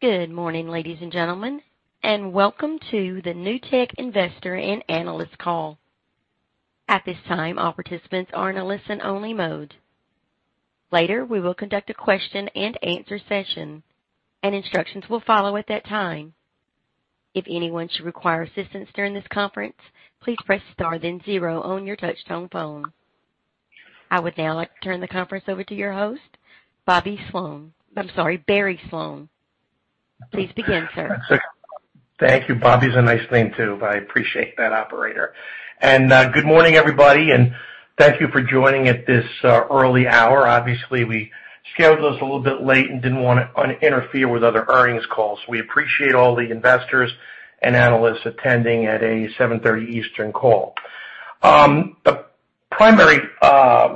Good morning, ladies and gentlemen, and welcome to the Newtek investor and analyst call. At this time all participants are in a listen-only mode. Later, we will conduct a question-and-answer session and instructions will follow at that time. If anyone requires assistance during this conference, please press star then zero on your touchtone phone. I would now like to turn the conference over to your host, Bobby Sloane. I'm sorry, Barry Sloane. Please begin, sir. Thank you. Bobby's a nice name, too, but I appreciate that, operator. Good morning, everybody, and thank you for joining at this early hour. Obviously, we scheduled this a little bit late and didn't want to interfere with other earnings calls. We appreciate all the investors and analysts attending at a 7:30 Eastern call. The primary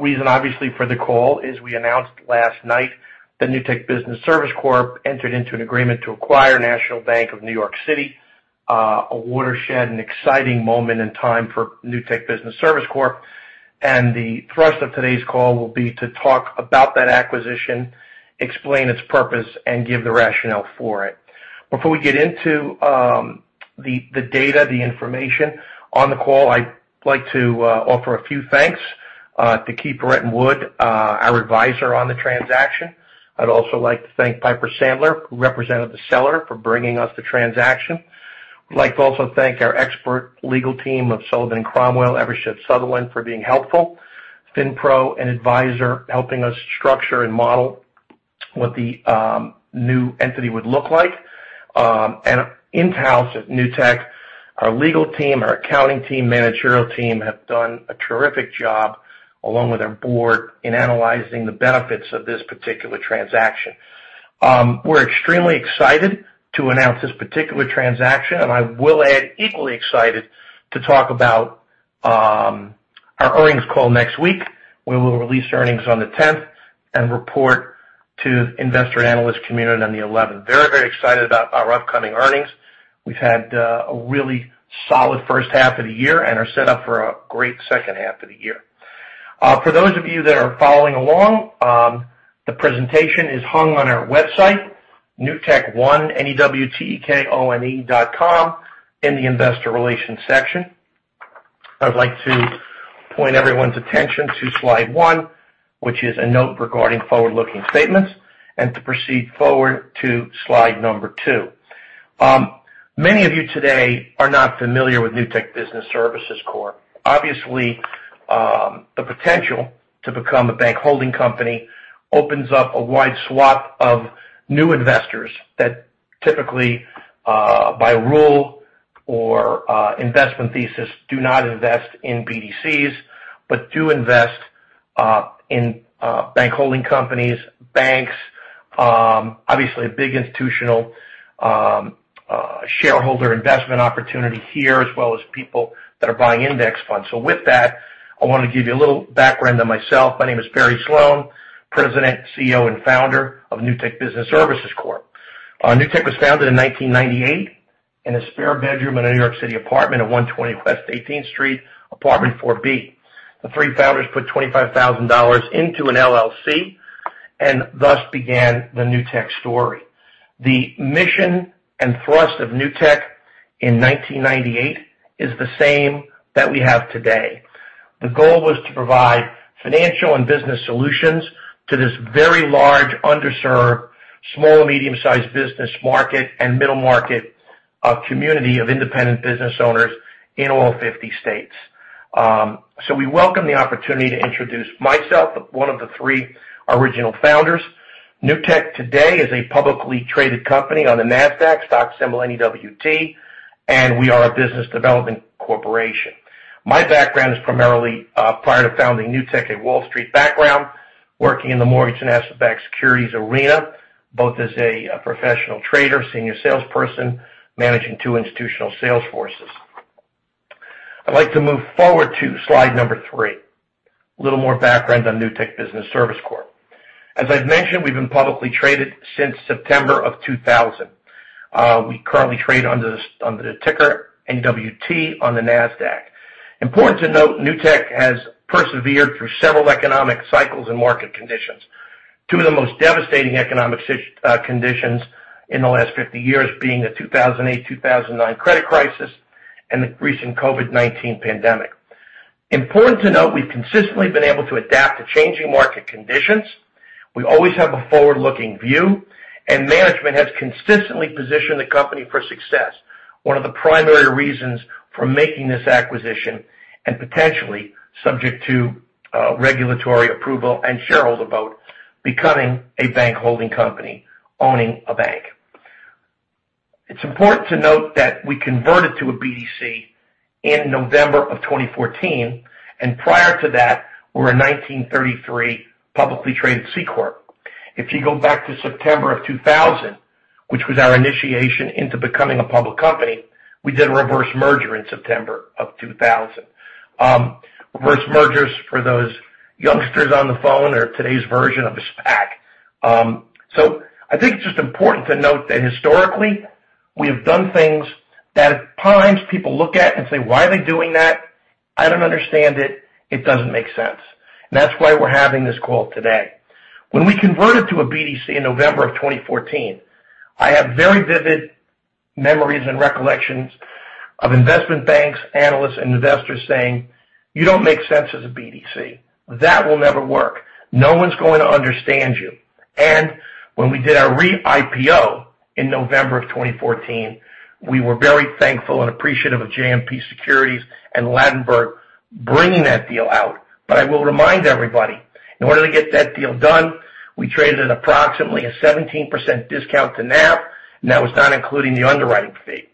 reason, obviously, for the call is we announced last night that Newtek Business Services Corp entered into an agreement to acquire National Bank of New York City, a watershed and exciting moment in time for Newtek Business Services Corp. The thrust of today's call will be to talk about that acquisition, explain its purpose, and give the rationale for it. Before we get into the data, the information on the call, I'd like to offer a few thanks to Keefe, Bruyette & Woods, our advisor on the transaction. I'd also like to thank Piper Sandler, who represented the seller, for bringing us the transaction. I'd like to also thank our expert legal team of Sullivan & Cromwell, Eversheds Sutherland for being helpful. FinPro and advisor, helping us structure and model what the new entity would look like. In-house at Newtek, our legal team, our accounting team, managerial team, have done a terrific job, along with our board, in analyzing the benefits of this particular transaction. We're extremely excited to announce this particular transaction, and I will add, equally excited to talk about our earnings call next week, where we will release earnings on the 10th and report to investor analyst community on the 11th. Very excited about our upcoming earnings. We've had a really solid first half of the year and are set up for a great second half of the year. For those of you that are following along, the presentation is hung on our website, NewtekOne, newtekone.com, in the investor relations section. I'd like to point everyone's attention to slide one, which is a note regarding forward-looking statements, and to proceed forward to slide number two. Many of you today are not familiar with Newtek Business Services Corp. Obviously, the potential to become a bank holding company opens up a wide swath of new investors that typically, by rule or investment thesis, do not invest in BDCs but do invest in bank holding companies, banks. Obviously, a big institutional shareholder investment opportunity here, as well as people that are buying index funds. With that, I want to give you a little background on myself. My name is Barry Sloane, President, CEO, and Founder of Newtek Business Services Corp. Newtek was founded in 1998 in a spare bedroom in a New York City apartment at 120 West 18th Street, apartment 4B. The three founders put $25,000 into an LLC. Thus began the Newtek story. The mission and thrust of Newtek in 1998 is the same that we have today. The goal was to provide financial and business solutions to this very large, underserved small and medium-sized business market and middle market of community of independent business owners in all 50 states. We welcome the opportunity to introduce myself, one of the three original founders. Newtek today is a publicly traded company on the Nasdaq, stock symbol NEWT. We are a business development corporation. My background is primarily, prior to founding Newtek, a Wall Street background, working in the mortgage and asset-backed securities arena, both as a professional trader, senior salesperson, managing two institutional sales forces. I'd like to move forward to slide number three. A little more background on Newtek Business Services Corp. As I've mentioned, we've been publicly traded since September of 2000. We currently trade under the ticker NEWT on the Nasdaq. Important to note, Newtek has persevered through several economic cycles and market conditions. Two of the most devastating economic conditions in the last 50 years being the 2008, 2009 credit crisis and the recent COVID-19 pandemic. Important to note, we've consistently been able to adapt to changing market conditions. We always have a forward-looking view, and management has consistently positioned the company for success. One of the primary reasons for making this acquisition, and potentially subject to regulatory approval and shareholder vote, becoming a bank holding company, owning a bank. It's important to note that we converted to a BDC in November of 2014, and prior to that, we were a 1933 publicly traded C-Corp. If you go back to September of 2000, which was our initiation into becoming a public company, we did a reverse merger in September of 2000. Reverse mergers, for those youngsters on the phone, are today's version of a SPAC. I think it's just important to note that historically, we have done things that at times people look at and say, "Why are they doing that? I don't understand it. It doesn't make sense." That's why we're having this call today. When we converted to a BDC in November of 2014, I have very vivid memories and recollections of investment banks, analysts, and investors saying, "You don't make sense as a BDC. That will never work. No one's going to understand you." When we did our re-IPO in November of 2014, we were very thankful and appreciative of JMP Securities and Ladenburg bringing that deal out. I will remind everybody, in order to get that deal done, we traded at approximately a 17% discount to NAV, and that was not including the underwriting fee.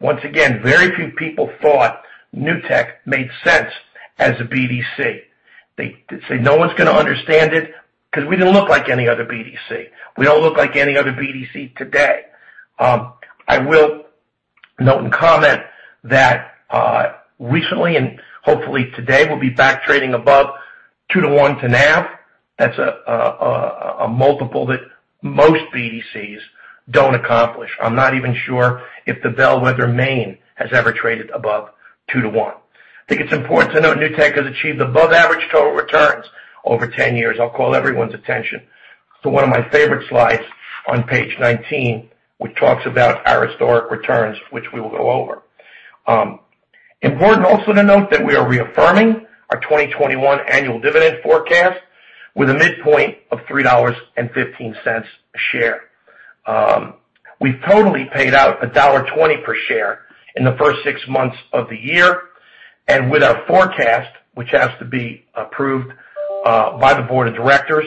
Once again, very few people thought Newtek made sense as a BDC. They said, "No one's going to understand it," because we didn't look like any other BDC. We don't look like any other BDC today. I will note and comment that recently, and hopefully today, we'll be back trading above two to one to NAV. That's a multiple that most BDCs don't accomplish. I'm not even sure if the bellwether Main Street has ever traded above two to one. I think it's important to note Newtek has achieved above average total returns over 10 years. I'll call everyone's attention to one of my favorite slides on page 19, which talks about our historic returns, which we will go over. Important also to note that we are reaffirming our 2021 annual dividend forecast with a midpoint of $3.15 a share. We've totally paid out $1.20 per share in the first six months of the year. With our forecast, which has to be approved by the board of directors,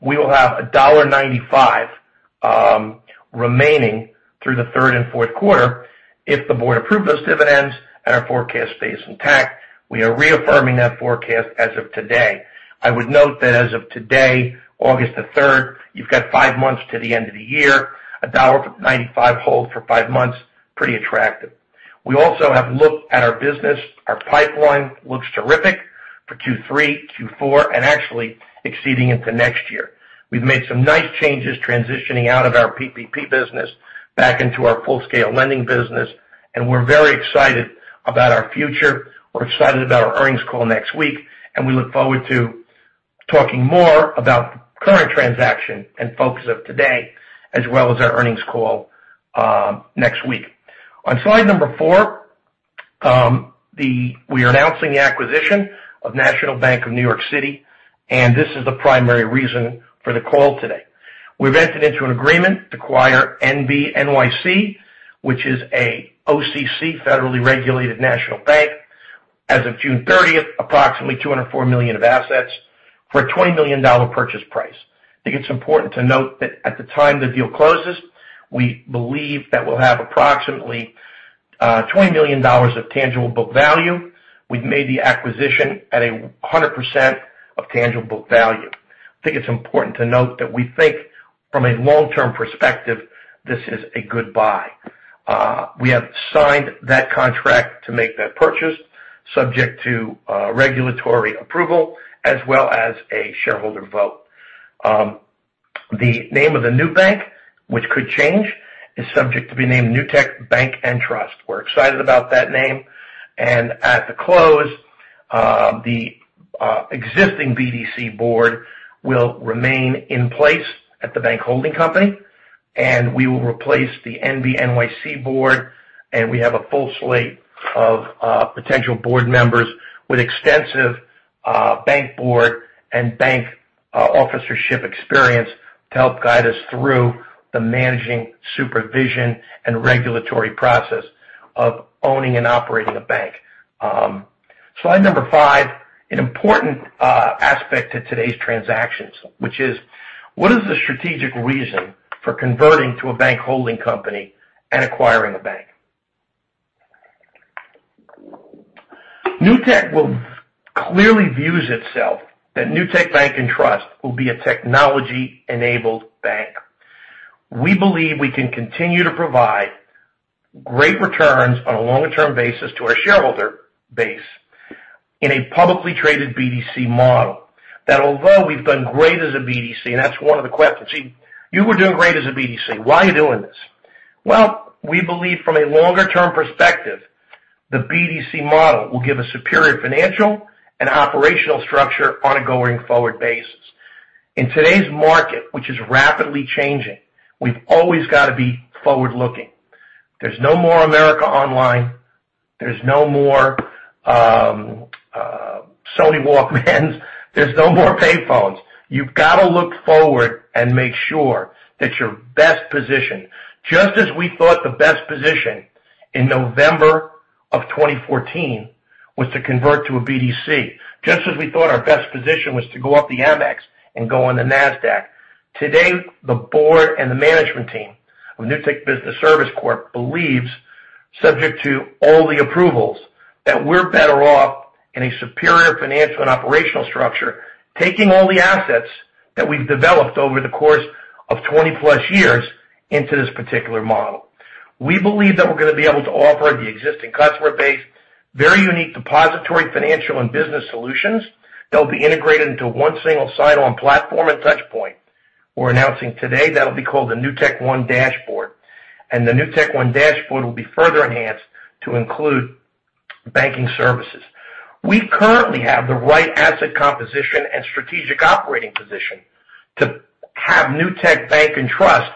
we will have $1.95 remaining through the third and fourth quarter if the board approved those dividends and our forecast stays intact. We are reaffirming that forecast as of today. I would note that as of today, August the 3rd, you've got five months to the end of the year. $1.95 hold for five months, pretty attractive. We also have looked at our business. Our pipeline looks terrific for Q3, Q4, and actually exceeding into next year. We've made some nice changes transitioning out of our PPP business back into our full-scale lending business, and we're very excited about our future. We're excited about our earnings call next week, and we look forward to talking more about the current transaction and focus of today as well as our earnings call next week. On slide four, we are announcing the acquisition of National Bank of New York City. This is the primary reason for the call today. We've entered into an agreement to acquire NBNYC, which is an OCC federally regulated national bank. As of June 30th, approximately $204 million of assets for a $20 million purchase price. I think it's important to note that at the time the deal closes, we believe that we'll have approximately $20 million of tangible book value. We've made the acquisition at 100% of tangible book value. I think it's important to note that we think from a long-term perspective, this is a good buy. We have signed that contract to make that purchase subject to regulatory approval as well as a shareholder vote. The name of the new bank, which could change, is subject to be named Newtek Bank and Trust. We're excited about that name. At the close, the existing BDC board will remain in place at the bank holding company, and we will replace the NBNYC board. We have a full slate of potential board members with extensive bank board and bank officership experience to help guide us through the managing supervision and regulatory process of owning and operating a bank. Slide five. An important aspect to today's transactions, which is, what is the strategic reason for converting to a bank holding company and acquiring a bank? Newtek, clearly views itself that Newtek Bank and Trust will be a technology-enabled bank. We believe we can continue to provide great returns on a longer-term basis to our shareholder base in a publicly traded BDC model that although we've done great as a BDC. That's one of the questions. You were doing great as a BDC. Why are you doing this? Well, we believe from a longer-term perspective, the BDC model will give a superior financial and operational structure on a going-forward basis. In today's market, which is rapidly changing, we've always got to be forward-looking. There's no more America Online. There's no more Sony Walkmans. There's no more payphones. You've got to look forward and make sure that you're best positioned. Just as we thought the best position in November of 2014 was to convert to a BDC, just as we thought our best position was to go off the Amex and go on the Nasdaq. Today, the board and the management team of Newtek Business Services Corp believes, subject to all the approvals, that we're better off in a superior financial and operational structure, taking all the assets that we've developed over the course of 20+ years into this particular model. We believe that we're going to be able to offer the existing customer base very unique depository financial and business solutions that will be integrated into one single sign-on platform and touch point. We're announcing today that'll be called the NewtekOne Dashboard. The NewtekOne Dashboard will be further enhanced to include banking services. We currently have the right asset composition and strategic operating position to have Newtek Bank and Trust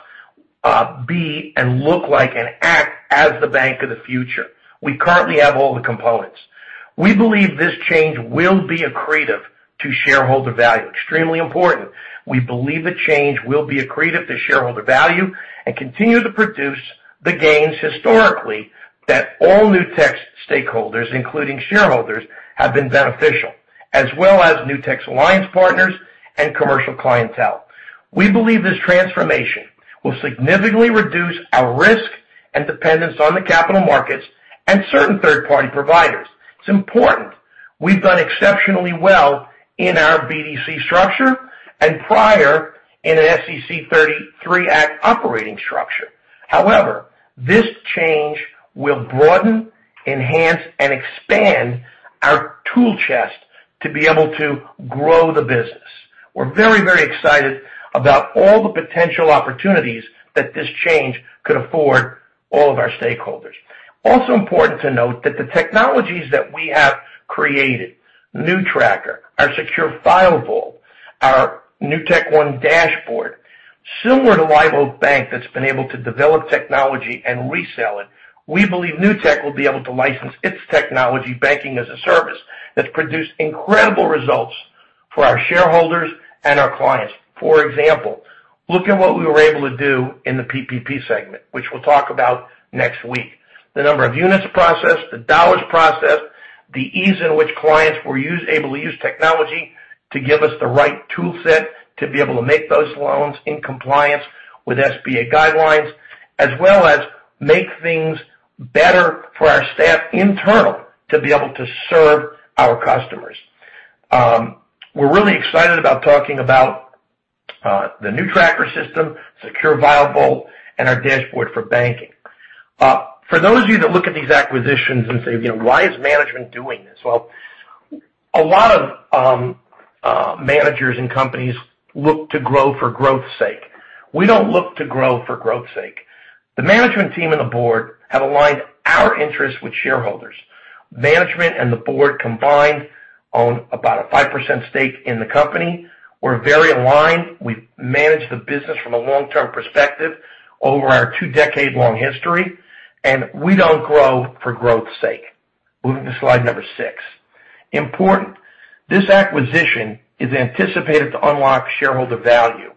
be and look like and act as the bank of the future. We currently have all the components. We believe this change will be accretive to shareholder value. Extremely important. We believe the change will be accretive to shareholder value and continue to produce the gains historically that all Newtek stakeholders, including shareholders, have been beneficial, as well as Newtek's alliance partners and commercial clientele. We believe this transformation will significantly reduce our risk and dependence on the capital markets and certain third-party providers. It's important. We've done exceptionally well in our BDC structure and prior in an Securities Act of 1933 operating structure. This change will broaden, enhance, and expand our tool chest to be able to grow the business. We're very excited about all the potential opportunities that this change could afford all of our stakeholders. Important to note that the technologies that we have created, NewTracker, our Secure File Vault, our NewtekOne Dashboard, similar to Live Oak Bank that's been able to develop technology and resell it, we believe Newtek will be able to license its technology banking as a service that's produced incredible results for our shareholders and our clients. For example, look at what we were able to do in the PPP segment, which we'll talk about next week. The number of units processed, the dollars processed, the ease in which clients were able to use technology to give us the right tool set to be able to make those loans in compliance with SBA guidelines, as well as make things better for our staff internal to be able to serve our customers. We're really excited about talking about the NewTracker system, Secure File Vault, and our dashboard for banking. For those of you that look at these acquisitions and say, why is management doing this? A lot of managers and companies look to grow for growth's sake. We don't look to grow for growth's sake. The management team and the board have aligned our interests with shareholders. Management and the board combined own about a 5% stake in the company. We're very aligned. We've managed the business from a long-term perspective over our two-decade-long history, and we don't grow for growth's sake. Moving to slide number six. Important. This acquisition is anticipated to unlock shareholder value.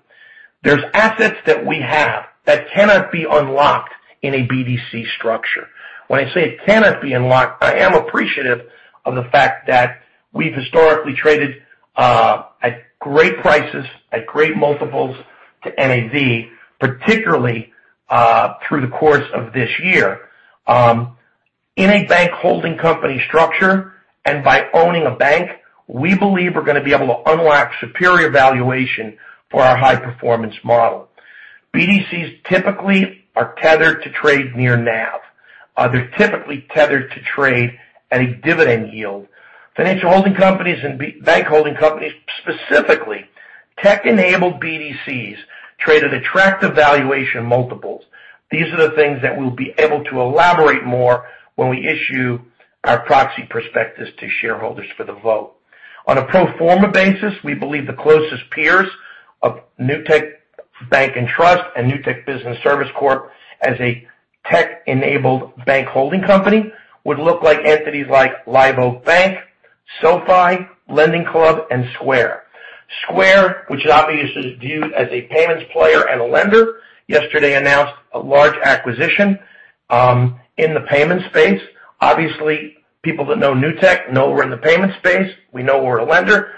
There's assets that we have that cannot be unlocked in a BDC structure. When I say it cannot be unlocked, I am appreciative of the fact that we've historically traded at great prices, at great multiples to NAV, particularly, through the course of this year. In a bank holding company structure and by owning a bank, we believe we're going to be able to unlock superior valuation for our high-performance model. BDCs typically are tethered to trade near NAV. They're typically tethered to trade at a dividend yield. Financial holding companies and bank holding companies specifically, tech-enabled BDCs trade at attractive valuation multiples. These are the things that we'll be able to elaborate more when we issue our proxy prospectus to shareholders for the vote. On a pro forma basis, we believe the closest peers of Newtek Bank and Trust and Newtek Business Services Corp as a tech-enabled bank holding company would look like entities like Live Oak Bank, SoFi, LendingClub, and Square. Square, which obviously is viewed as a payments player and a lender, yesterday announced a large acquisition in the payment space. Obviously, people that know Newtek know we're in the payment space. We know we're a lender.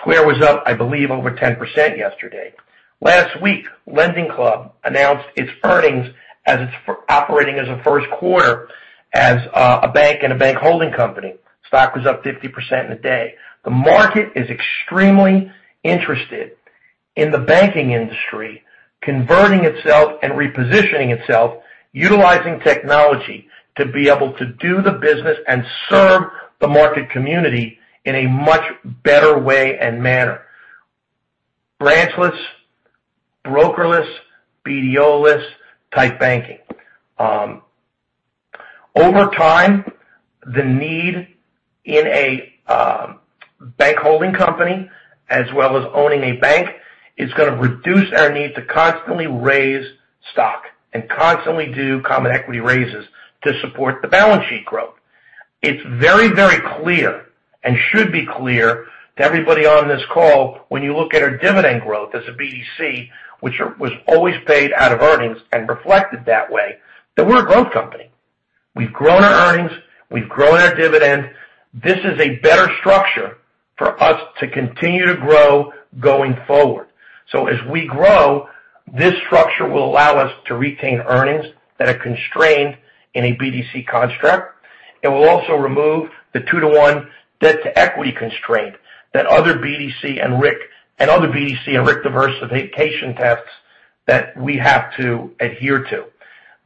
Square was up, I believe, over 10% yesterday. Last week, LendingClub announced its earnings as it's operating as a first quarter as a bank and a bank holding company. Stock was up 50% in a day. The market is extremely interested in the banking industry converting itself and repositioning itself, utilizing technology to be able to do the business and serve the market community in a much better way and manner. Branchless, brokerless, BDO-less type banking. Over time, the need in a bank holding company as well as owning a bank is going to reduce our need to constantly raise stock and constantly do common equity raises to support the balance sheet growth. It's very clear and should be clear to everybody on this call when you look at our dividend growth as a BDC, which was always paid out of earnings and reflected that way, that we're a growth company. We've grown our earnings. We've grown our dividend. This is a better structure for us to continue to grow going forward. As we grow, this structure will allow us to retain earnings that are constrained in a BDC construct. It will also remove the 2:1 debt-to-equity constraint that other BDC and RIC diversification tests that we have to adhere to.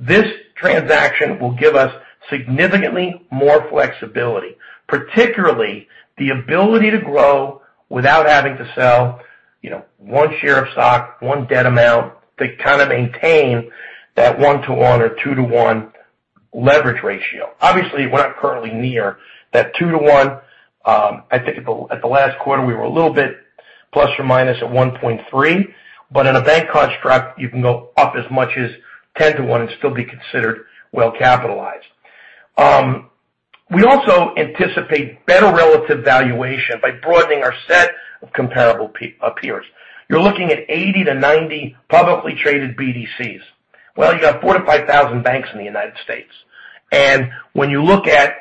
This transaction will give us significantly more flexibility, particularly the ability to grow without having to sell one share of stock, one debt amount to kind of maintain that 1:1 or 2:1 leverage ratio. Obviously, we're not currently near that 2:1. I think at the last quarter, we were a little bit 1.3±. In a bank construct, you can go up as much as 10:1 and still be considered well-capitalized. We also anticipate better relative valuation by broadening our set of comparable peers. You're looking at 80 to 90 publicly traded BDCs. You got 45,000 banks in the United States. When you look at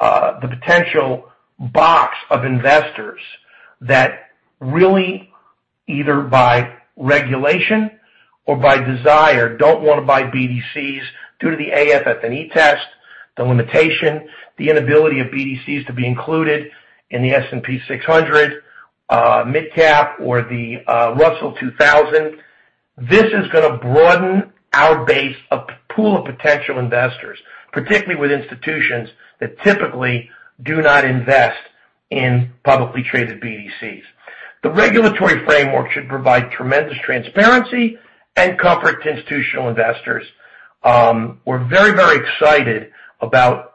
the potential box of investors that really, either by regulation or by desire, don't want to buy BDCs due to the AFFE test, the limitation, the inability of BDCs to be included in the S&P SmallCap 600 or the Russell 2000. This is going to broaden our base of pool of potential investors, particularly with institutions that typically do not invest in publicly traded BDCs. The regulatory framework should provide tremendous transparency and comfort to institutional investors. We're very excited about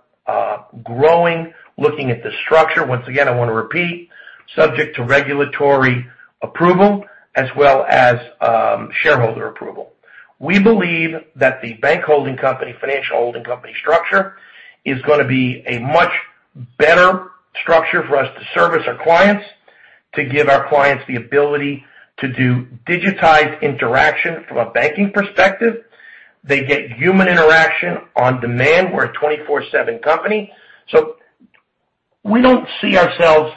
growing, looking at the structure. Once again, I want to repeat, subject to regulatory approval as well as shareholder approval. We believe that the bank holding company, financial holding company structure is going to be a much better structure for us to service our clients, to give our clients the ability to do digitized interaction from a banking perspective. They get human interaction on demand. We're a 24/7 company. We don't see ourselves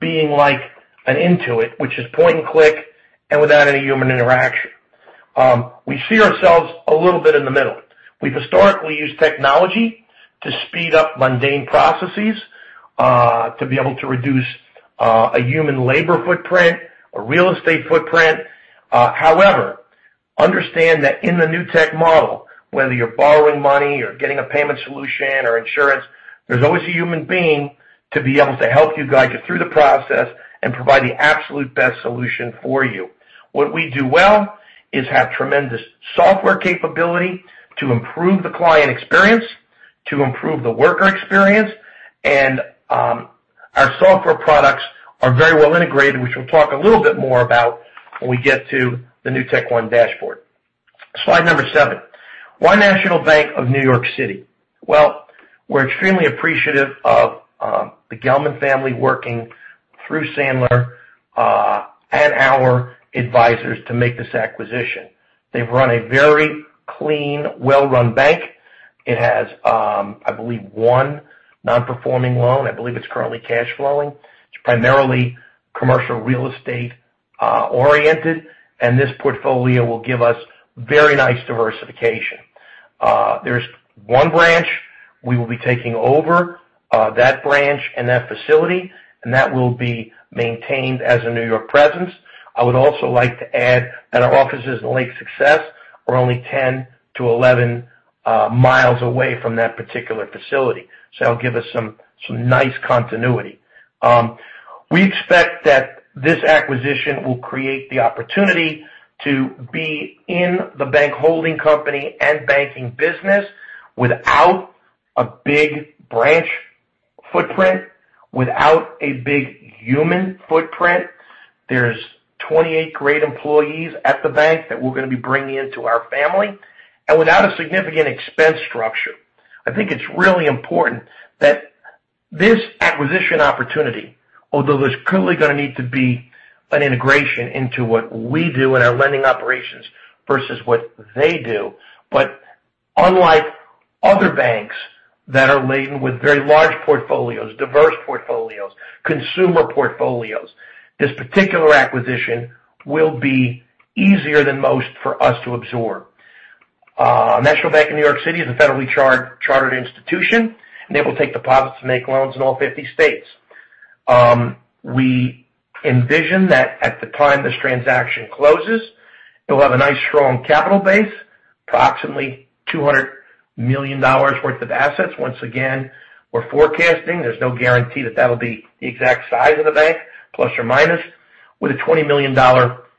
being like an Intuit, which is point and click and without any human interaction. We see ourselves a little bit in the middle. We've historically used technology to speed up mundane processes, to be able to reduce a human labor footprint, a real estate footprint. However, understand that in the Newtek model, whether you're borrowing money or getting a payment solution or insurance, there's always a human being to be able to help you, guide you through the process, and provide the absolute best solution for you. What we do well is have tremendous software capability to improve the client experience, to improve the worker experience, and our software products are very well integrated, which we'll talk a little bit more about when we get to the NewtekOne Dashboard. Slide number seven. Why National Bank of New York City? Well, we're extremely appreciative of the Gelman family working through Sandler, and our advisors to make this acquisition. They've run a very clean, well-run bank. It has, I believe, one non-performing loan. I believe it's currently cash flowing. It's primarily commercial real estate-oriented, and this portfolio will give us very nice diversification. There's one branch. We will be taking over that branch and that facility, and that will be maintained as a New York presence. I would also like to add that our offices in Lake Success are only 10 miles-11 miles away from that particular facility. That'll give us some nice continuity. We expect that this acquisition will create the opportunity to be in the bank holding company and banking business without a big branch footprint, without a big human footprint. There's 28 great employees at the bank that we're going to be bringing into our family. Without a significant expense structure. I think it's really important that this acquisition opportunity, although there's clearly going to need to be an integration into what we do in our lending operations versus what they do. Unlike other banks that are laden with very large portfolios, diverse portfolios, consumer portfolios, this particular acquisition will be easier than most for us to absorb. National Bank of New York City is a federally chartered institution, and they will take deposits to make loans in all 50 states. We envision that at the time this transaction closes, it will have a nice, strong capital base, approximately $200 million worth of assets. Once again, we're forecasting. There's no guarantee that that'll be the exact size of the bank, plus or minus, with a $20 million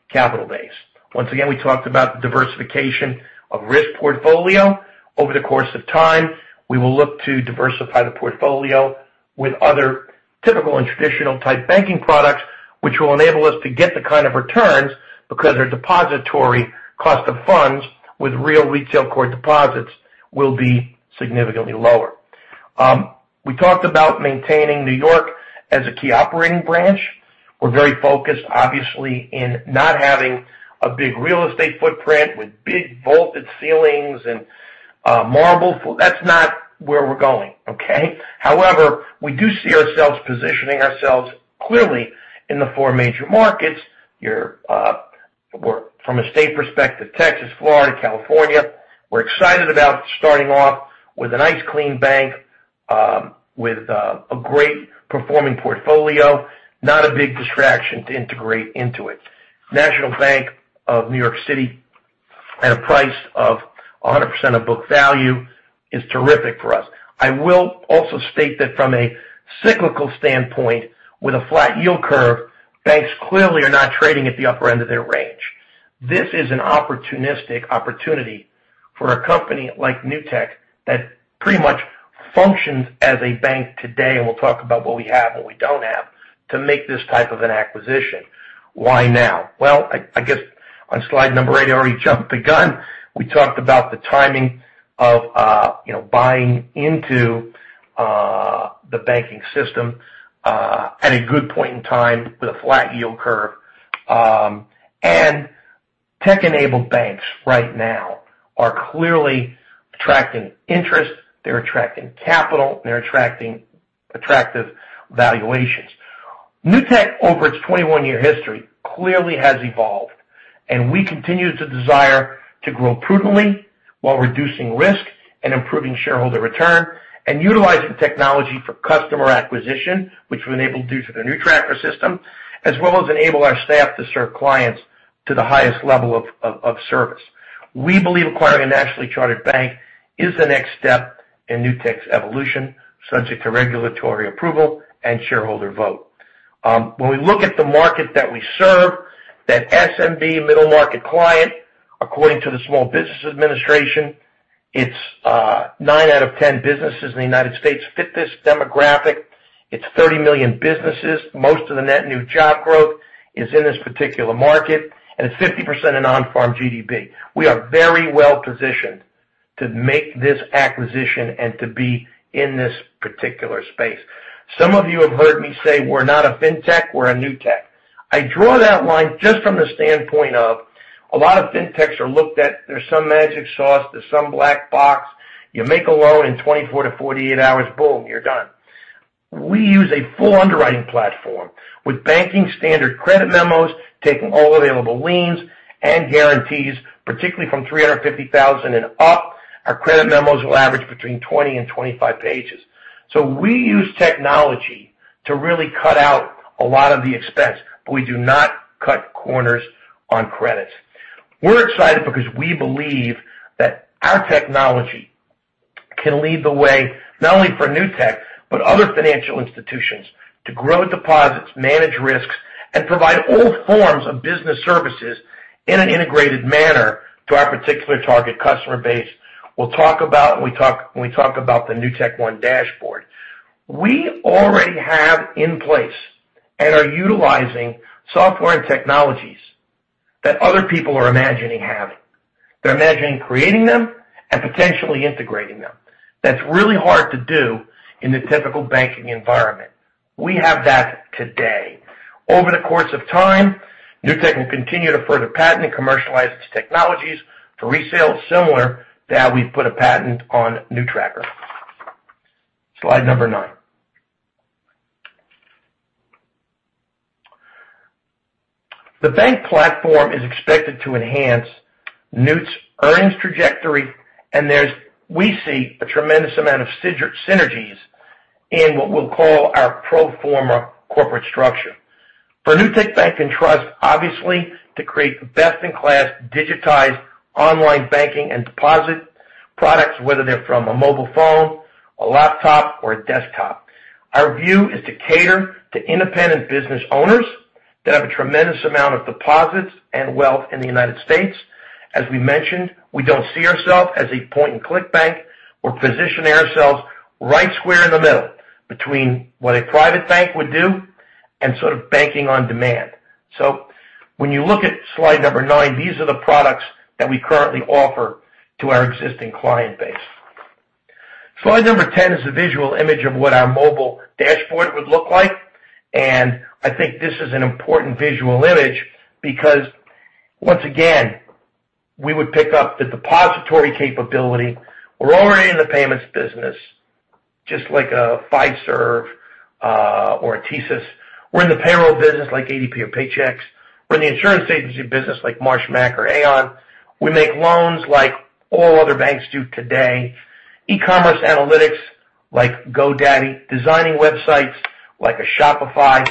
capital base. Once again, we talked about the diversification of risk portfolio. Over the course of time, we will look to diversify the portfolio with other typical and traditional type banking products, which will enable us to get the kind of returns because their depository cost of funds with real retail core deposits will be significantly lower. We talked about maintaining New York as a key operating branch. We're very focused, obviously, in not having a big real estate footprint with big vaulted ceilings and marble. That's not where we're going, okay? We do see ourselves positioning ourselves clearly in the four major markets. From a state perspective, Texas, Florida, California. We're excited about starting off with a nice, clean bank. With a great performing portfolio, not a big distraction to integrate into it. National Bank of New York City at a price of 100% of book value is terrific for us. I will also state that from a cyclical standpoint, with a flat yield curve, banks clearly are not trading at the upper end of their range. This is an opportunistic opportunity for a company like Newtek that pretty much functions as a bank today. We'll talk about what we have and we don't have to make this type of an acquisition. Why now? Well, I guess on slide number eight, I already jumped the gun. We talked about the timing of buying into the banking system at a good point in time with a flat yield curve. Tech-enabled banks right now are clearly attracting interest. They're attracting capital. They're attracting attractive valuations. Newtek, over its 21-year history, clearly has evolved, and we continue to desire to grow prudently while reducing risk and improving shareholder return and utilizing technology for customer acquisition, which we've been able to do through the NewTracker system, as well as enable our staff to serve clients to the highest level of service. We believe acquiring a nationally chartered bank is the next step in Newtek's evolution, subject to regulatory approval and shareholder vote. When we look at the market that we serve, that SMB middle-market client, according to the Small Business Administration, it's 9 out of 10 businesses in the United States fit this demographic. It's 30 million businesses. Most of the net new job growth is in this particular market, and it's 50% of non-farm GDP. We are very well-positioned to make this acquisition and to be in this particular space. Some of you have heard me say, we're not a fintech, we're a Newtek. I draw that line just from the standpoint of a lot of fintechs are looked at. There's some magic sauce, there's some black box. You make a loan in 24 to 48 hours, boom, you're done. We use a full underwriting platform with banking standard credit memos, taking all available liens and guarantees, particularly from 350,000 and up. Our credit memos will average between 20 and 25 pages. We use technology to really cut out a lot of the expense, but we do not cut corners on credits. We're excited because we believe that our technology can lead the way, not only for Newtek, but other financial institutions to grow deposits, manage risks, and provide all forms of business services in an integrated manner to our particular target customer base. We'll talk about when we talk about the NewtekOne Dashboard. We already have in place and are utilizing software and technologies that other people are imagining having. They're imagining creating them and potentially integrating them. That's really hard to do in the typical banking environment. We have that today. Over the course of time, Newtek will continue to further patent and commercialize its technologies for resale, similar to how we've put a patent on NewTracker. Slide number nine. The bank platform is expected to enhance Newtek's earnings trajectory, and we see a tremendous amount of synergies in what we'll call our pro forma corporate structure. For Newtek Bank, obviously, to create best-in-class digitized online banking and deposit products, whether they're from a mobile phone, a laptop, or a desktop. Our view is to cater to independent business owners that have a tremendous amount of deposits and wealth in the United States. As we mentioned, we don't see ourselves as a point-and-click bank. We position ourselves right square in the middle between what a private bank would do and sort of banking on demand. When you look at slide number nine, these are the products that we currently offer to our existing client base. Slide number 10 is a visual image of what our mobile dashboard would look like. I think this is an important visual image because, once again, we would pick up the depository capability. We're already in the payments business, just like a Fiserv or a TSYS. We're in the payroll business like ADP or Paychex. We're in the insurance agency business like Marsh or Aon. We make loans like all other banks do today. E-commerce analytics like GoDaddy. Designing websites like a Shopify.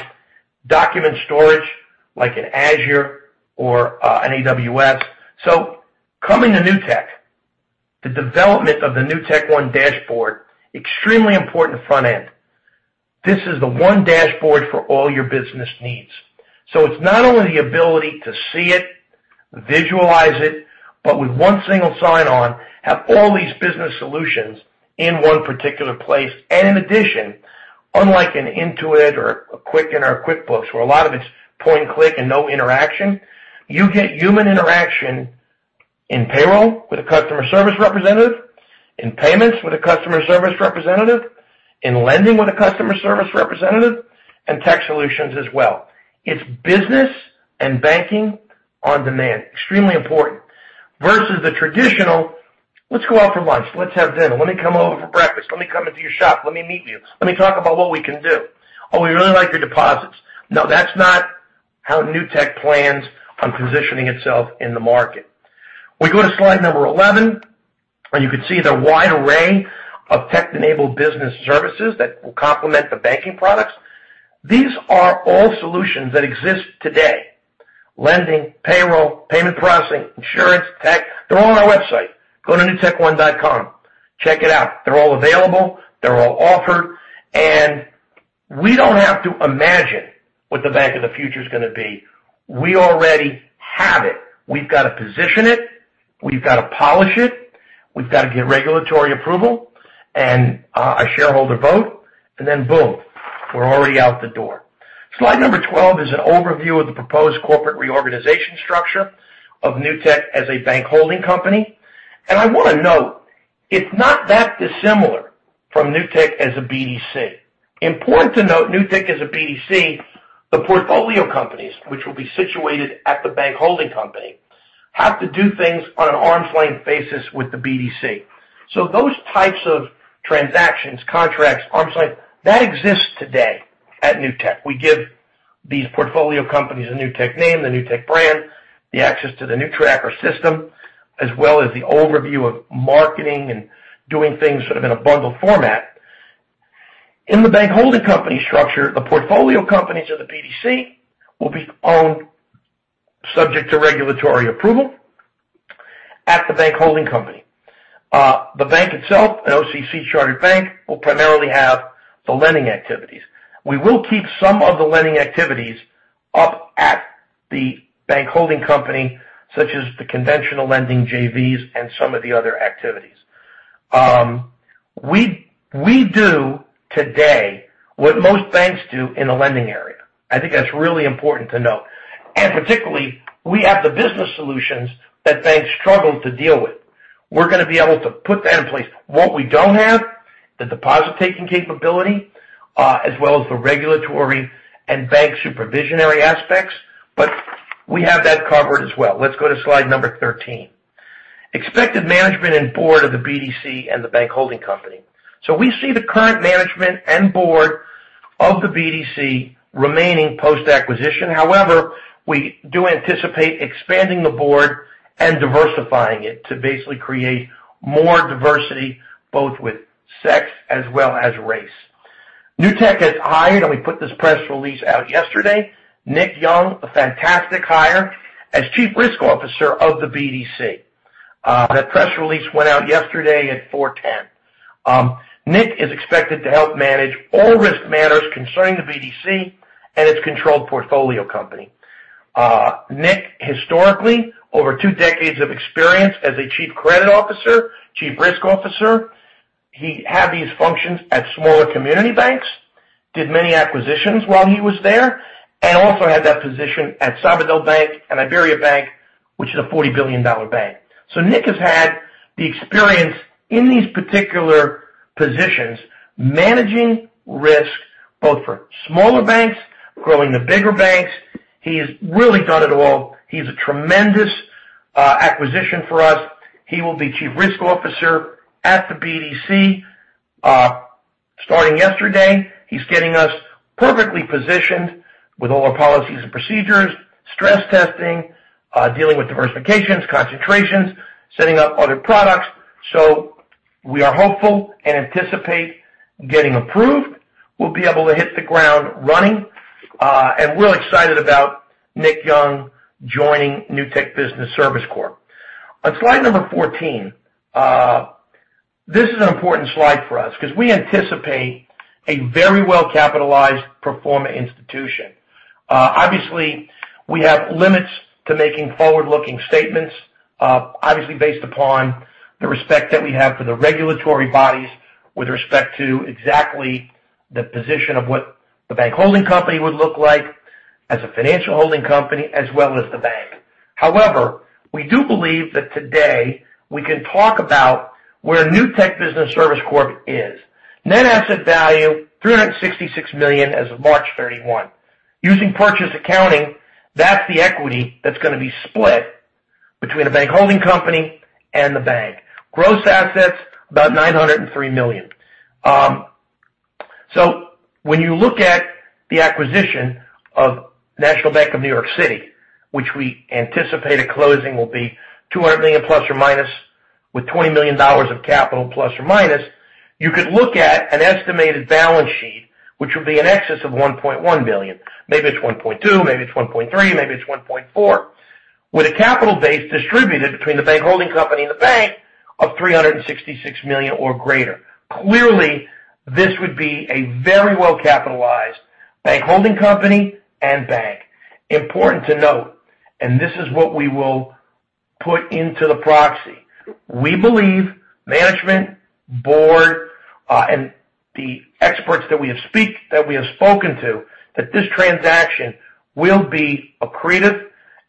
Document storage like an Azure or an AWS. Coming to Newtek, the development of the NewtekOne Dashboard, extremely important front end. This is the one dashboard for all your business needs. It's not only the ability to see it, visualize it, but with one single sign-on, have all these business solutions in one particular place. In addition, unlike an Intuit or a Quicken or a QuickBooks, where a lot of it's point and click and no interaction, you get human interaction in payroll with a customer service representative, in payments with a customer service representative, in lending with a customer service representative, and tech solutions as well. It's business and banking on demand. Extremely important. Versus the traditional, let's go out for lunch, let's have dinner, let me come over for breakfast, let me come into your shop, let me meet you, let me talk about what we can do. Oh, we really like your deposits. No, that's not how Newtek plans on positioning itself in the market. We go to slide 11, you can see the wide array of tech-enabled business services that will complement the banking products. These are all solutions that exist today. Lending, payroll, payment processing, insurance, tech. They're all on our website. Go to newtekone.com. Check it out. They're all available. They're all offered. We don't have to imagine what the bank of the future is going to be. We already have it. We've got to position it. We've got to polish it. We've got to get regulatory approval and a shareholder vote, then boom, we're already out the door. Slide number 12 is an overview of the proposed corporate reorganization structure of Newtek as a bank holding company. I want to note, it's not that dissimilar from Newtek as a BDC. Important to note, Newtek as a BDC, the portfolio companies, which will be situated at the bank holding company, have to do things on an arm's length basis with the BDC. Those types of transactions, contracts, arm's length, that exists today at Newtek. We give these portfolio companies a Newtek name, the Newtek brand, the access to the NewTracker system, as well as the overview of marketing and doing things sort of in a bundled format. In the bank holding company structure, the portfolio companies of the BDC will be owned subject to regulatory approval at the bank holding company. The bank itself, an OCC chartered bank, will primarily have the lending activities. We will keep some of the lending activities up at the bank holding company, such as the conventional lending JVs and some of the other activities. We do today what most banks do in the lending area. I think that's really important to note. Particularly, we have the business solutions that banks struggle to deal with. We're going to be able to put that in place. What we don't have, the deposit-taking capability, as well as the regulatory and bank supervisory aspects. We have that covered as well. Let's go to slide 13. Expected management and board of the BDC and the bank holding company. We see the current management and board of the BDC remaining post-acquisition. However, we do anticipate expanding the board and diversifying it to basically create more diversity, both with sex as well as race. Newtek has hired, and we put this press release out yesterday, Nick Young, a fantastic hire as Chief Risk Officer of the BDC. That press release went out yesterday at 4:10. Nick is expected to help manage all risk matters concerning the BDC and its controlled portfolio company. Nick historically, over two decades of experience as a Chief Credit Officer, Chief Risk Officer. He had these functions at smaller community banks. Did many acquisitions while he was there, and also had that position at Sabadell Bank and IBERIABANK, which is a $40 billion bank. Nick has had the experience in these particular positions, managing risk both for smaller banks growing to bigger banks. He has really done it all. He's a tremendous acquisition for us. He will be Chief Risk Officer at the BDC. Starting yesterday, he's getting us perfectly positioned with all our policies and procedures, stress testing, dealing with diversifications, concentrations, setting up other products. We are hopeful and anticipate getting approved. We'll be able to hit the ground running. We're excited about Nick Young joining Newtek Business Services Corp. On slide number 14. This is an important slide for us because we anticipate a very well-capitalized performing institution. Obviously, we have limits to making forward-looking statements. Obviously, based upon the respect that we have for the regulatory bodies with respect to exactly the position of what the bank holding company would look like as a financial holding company as well as the bank. However, we do believe that today we can talk about where Newtek Business Services Corp is. Net asset value, $366 million as of March 31. Using purchase accounting, that's the equity that's going to be split between the bank holding company and the bank. Gross assets, about $903 million. When you look at the acquisition of National Bank of New York City, which we anticipate a closing will be $200 million± with $20 million± of capital. You could look at an estimated balance sheet, which would be in excess of $1.1 billion. Maybe it's $1.2 billion, maybe it's $1.3 billion, maybe it's $1.4 billion. With a capital base distributed between the bank holding company and the bank of $366 million or greater. Clearly, this would be a very well-capitalized bank holding company and bank. Important to note, this is what we will put into the proxy. We believe management, board, and the experts that we have spoken to, that this transaction will be accretive.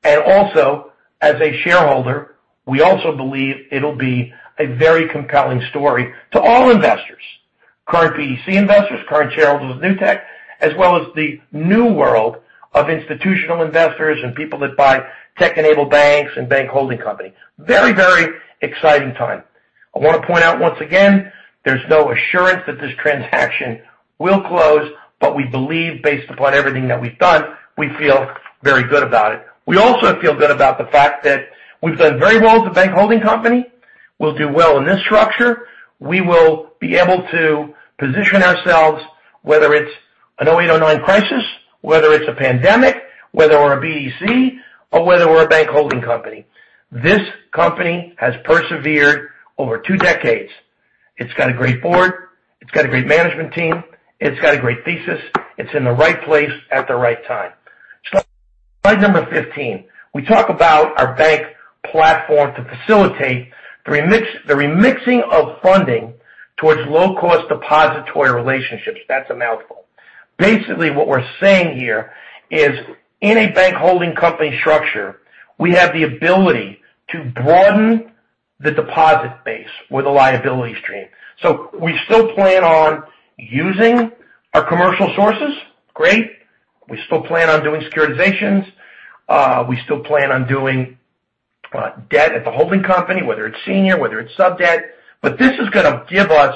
Also, as a shareholder, we also believe it'll be a very compelling story to all investors. Current BDC investors, current shareholders of Newtek. As well as the new world of institutional investors and people that buy tech-enabled banks and bank holding company. Very exciting time. I want to point out once again, there's no assurance that this transaction will close, we believe based upon everything that we've done, we feel very good about it. We also feel good about the fact that we've done very well as a bank holding company. We'll do well in this structure. We will be able to position ourselves, whether it's a 2008, 2009 crisis, whether it's a pandemic, whether we're a BDC, or whether we're a bank holding company. This company has persevered over two decades. It's got a great board. It's got a great management team. It's got a great thesis. It's in the right place at the right time. Slide number 15. We talk about our bank platform to facilitate the remixing of funding towards low-cost depository relationships. That's a mouthful. Basically, what we're saying here is in a bank holding company structure, we have the ability to broaden the deposit base with a liability stream. We still plan on using our commercial sources. Great. We still plan on doing securitizations. We still plan on doing debt at the holding company, whether it's senior, whether it's sub-debt. This is going to give us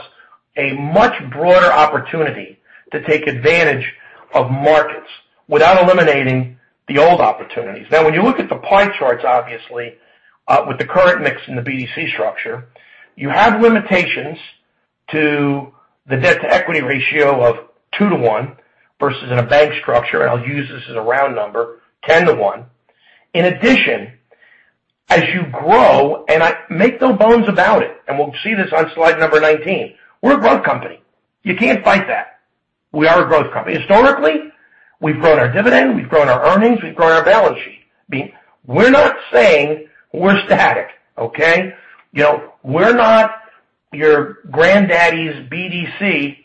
a much broader opportunity to take advantage of markets without eliminating the old opportunities. When you look at the pie charts, obviously, with the current mix in the BDC structure, you have limitations to the debt-to-equity ratio of 2:1 versus in a bank structure, and I'll use this as a round number, 10:1. In addition, as you grow, and I make no bones about it, and we'll see this on slide number 19, we're a growth company. You can't fight that. We are a growth company. Historically, we've grown our dividend, we've grown our earnings, we've grown our balance sheet. We're not saying we're static. Okay? We are not your granddaddy’s BDC,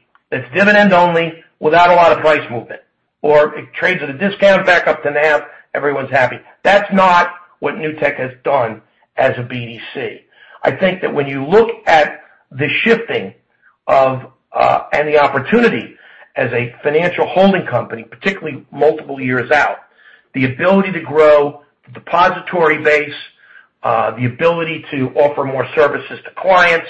dividend only, without a lot of price movement. It trades at a discount back up to NAV, everyone's happy. That's not what Newtek has done as a BDC. I think that when you look at the shifting and the opportunity as a financial holding company, particularly multiple years out. The ability to grow the depository base, the ability to offer more services to clients,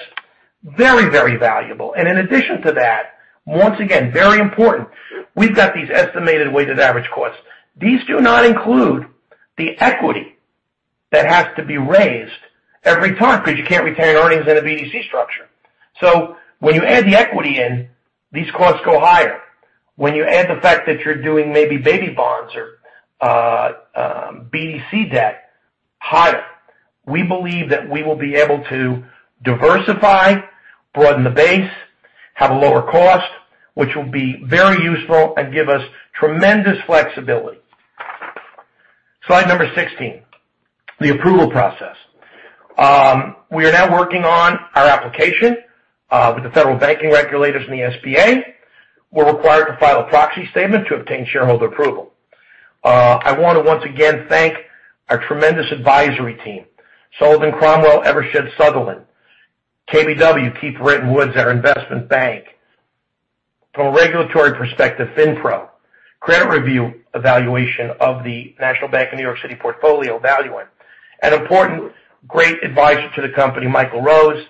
very, very valuable. In addition to that, once again, very important, we've got these estimated weighted average costs. These do not include the equity that has to be raised every time because you can't retain earnings in a BDC structure. When you add the equity in, these costs go higher. When you add the fact that you're doing maybe baby bonds or BDC debt, higher. We believe that we will be able to diversify, broaden the base, have a lower cost, which will be very useful and give us tremendous flexibility. Slide number 16. The approval process. We are now working on our application with the federal banking regulators and the SBA. We're required to file a proxy statement to obtain shareholder approval. I want to once again thank our tremendous advisory team. Sullivan & Cromwell, Eversheds Sutherland. KBW, Keefe, Bruyette & Woods, our investment bank. From a regulatory perspective, FinPro. Credit review evaluation of the National Bank of New York City portfolio Valuant. An important great advisor to the company, Michael Rose,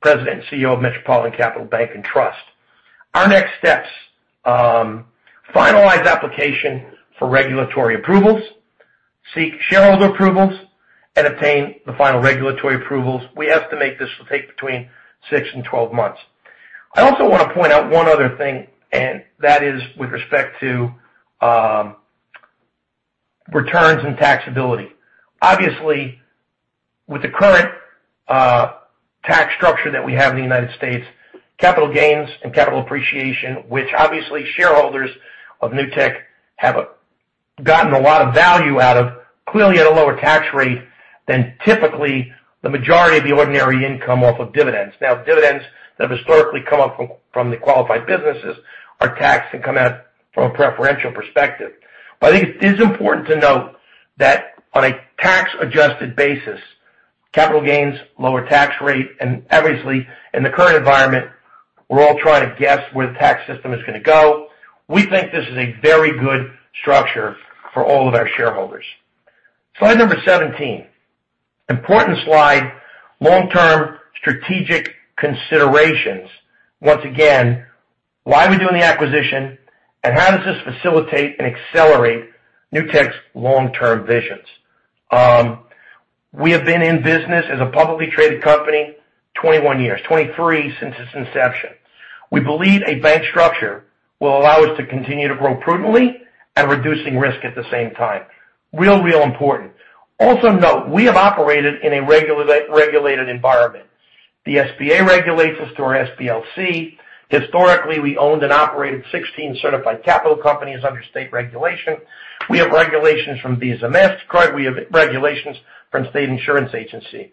President and CEO of Metropolitan Capital Bank & Trust. Our next steps. Finalize application for regulatory approvals, seek shareholder approvals, and obtain the final regulatory approvals. We estimate this will take between six and 12 months. I also want to point out one other thing, and that is with respect to returns and taxability. Obviously, with the current tax structure that we have in the U.S., capital gains and capital appreciation, which obviously shareholders of Newtek have gotten a lot of value out of, clearly at a lower tax rate than typically the majority of the ordinary income off of dividends. Dividends that have historically come up from the qualified businesses are taxed and come at from a preferential perspective. I think it is important to note that on a tax-adjusted basis, capital gains, lower tax rate, and obviously in the current environment, we're all trying to guess where the tax system is going to go. We think this is a very good structure for all of our shareholders. Slide number 17. Important slide. Long-term strategic considerations. Once again, why are we doing the acquisition, and how does this facilitate and accelerate Newtek's long-term visions? We have been in business as a publicly traded company 21 years, 23 since its inception. We believe a bank structure will allow us to continue to grow prudently and reducing risk at the same time. Real important. Also note, we have operated in a regulated environment. The SBA regulates us through our SBLC. Historically, we owned and operated 16 certified capital companies under state regulation. We have regulations from Visa, MasterCard. We have regulations from state insurance agency.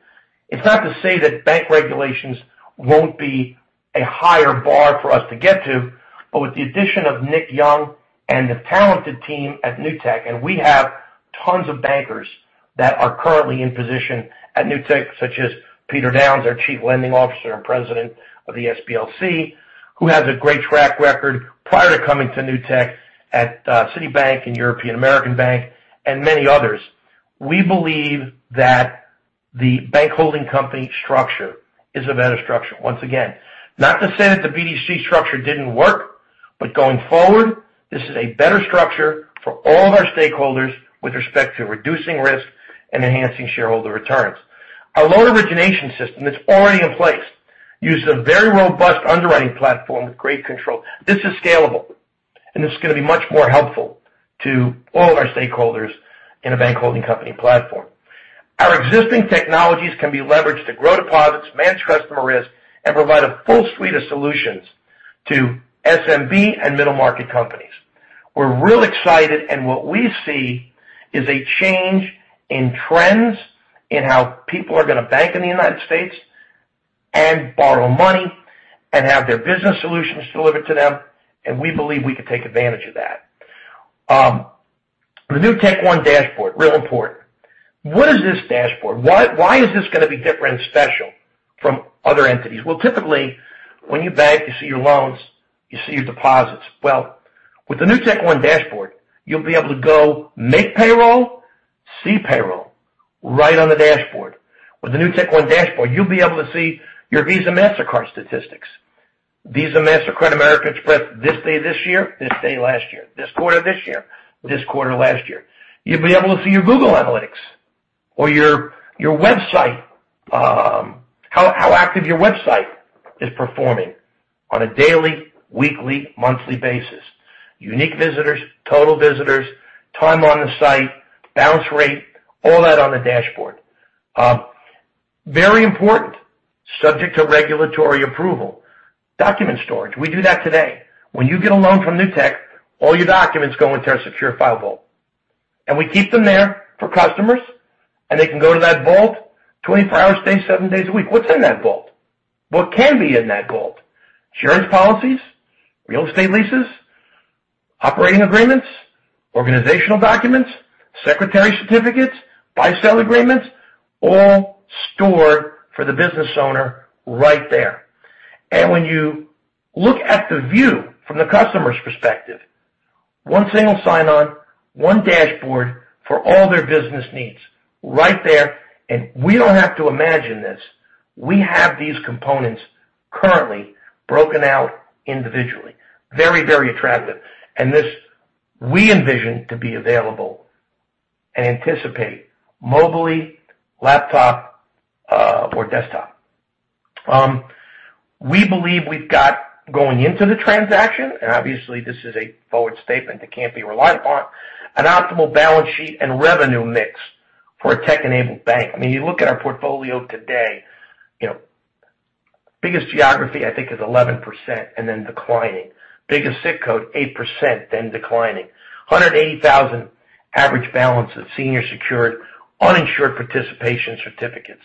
It's not to say that bank regulations won't be a higher bar for us to get to. With the addition of Nick Young and the talented team at Newtek, and we have tons of bankers that are currently in position at Newtek. Such as Peter Downs, our Chief Lending Officer and President of the SBLC, who has a great track record prior to coming to Newtek at Citibank and European American Bank and many others. We believe that the bank holding company structure is a better structure. Once again, not to say that the BDC structure didn't work, but going forward, this is a better structure for all of our stakeholders with respect to reducing risk and enhancing shareholder returns. Our loan origination system is already in place. Uses a very robust underwriting platform with great control. This is scalable and it's going to be much more helpful to all of our stakeholders in a bank holding company platform. Our existing technologies can be leveraged to grow deposits, manage customer risk, and provide a full suite of solutions to SMB and middle-market companies. We're real excited and what we see is a change in trends in how people are going to bank in the United States and borrow money and have their business solutions delivered to them, and we believe we can take advantage of that. The NewtekOne Dashboard, real important. What is this Dashboard? Why is this going to be different and special from other entities? Well, typically, when you bank, you see your loans, you see your deposits. Well, with the NewtekOne Dashboard, you'll be able to go make payroll, see payroll, right on the Dashboard. With the NewtekOne Dashboard, you'll be able to see your Visa, Mastercard statistics. Visa, Mastercard, American Express this day this year, this day last year. This quarter this year, this quarter last year. You'll be able to see your Google Analytics or your website. How active your website is performing on a daily, weekly, monthly basis. Unique visitors, total visitors, time on the site, bounce rate, all that on the dashboard. Very important. Subject to regulatory approval. Document storage. We do that today. When you get a loan from Newtek, all your documents go into our Secure File Vault. We keep them there for customers, and they can go to that vault 24 hours a day, seven days a week. What's in that vault? What can be in that vault? Insurance policies, real estate leases, operating agreements, organizational documents, secretary certificates, buy-sell agreements, all stored for the business owner right there. When you look at the view from the customer's perspective, one single sign-on, one dashboard for all their business needs right there. We don't have to imagine this. We have these components currently broken out individually. Very attractive. This we envision to be available and anticipate mobily, laptop, or desktop. We believe we've got going into the transaction, and obviously this is a forward statement that can't be relied upon, an optimal balance sheet and revenue mix for a tech-enabled bank. I mean, you look at our portfolio today, biggest geography I think is 11% and then declining. Biggest SIC code, 8%, then declining. $180,000 average balance of senior secured uninsured participation certificates.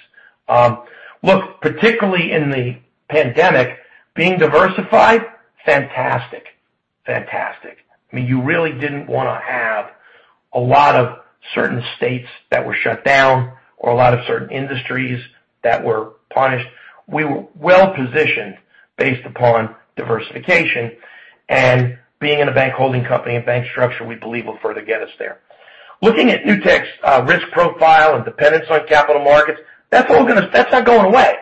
Look, particularly in the pandemic, being diversified, fantastic. I mean, you really didn't want to have a lot of certain states that were shut down or a lot of certain industries that were punished. We were well-positioned based upon diversification and being in a bank holding company and bank structure we believe will further get us there. Looking at Newtek's risk profile and dependence on capital markets, that's not going away.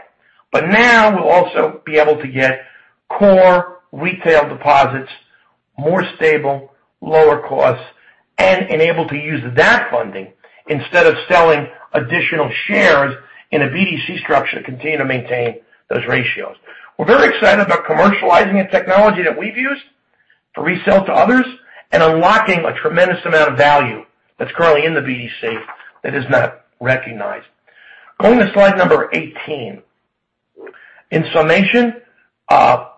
Now we'll also be able to get core retail deposits, more stable, lower cost, and able to use that funding instead of selling additional shares in a BDC structure to continue to maintain those ratios. We're very excited about commercializing a technology that we've used to resell to others and unlocking a tremendous amount of value that's currently in the BDC that is not recognized. Going to slide number 18. In summation,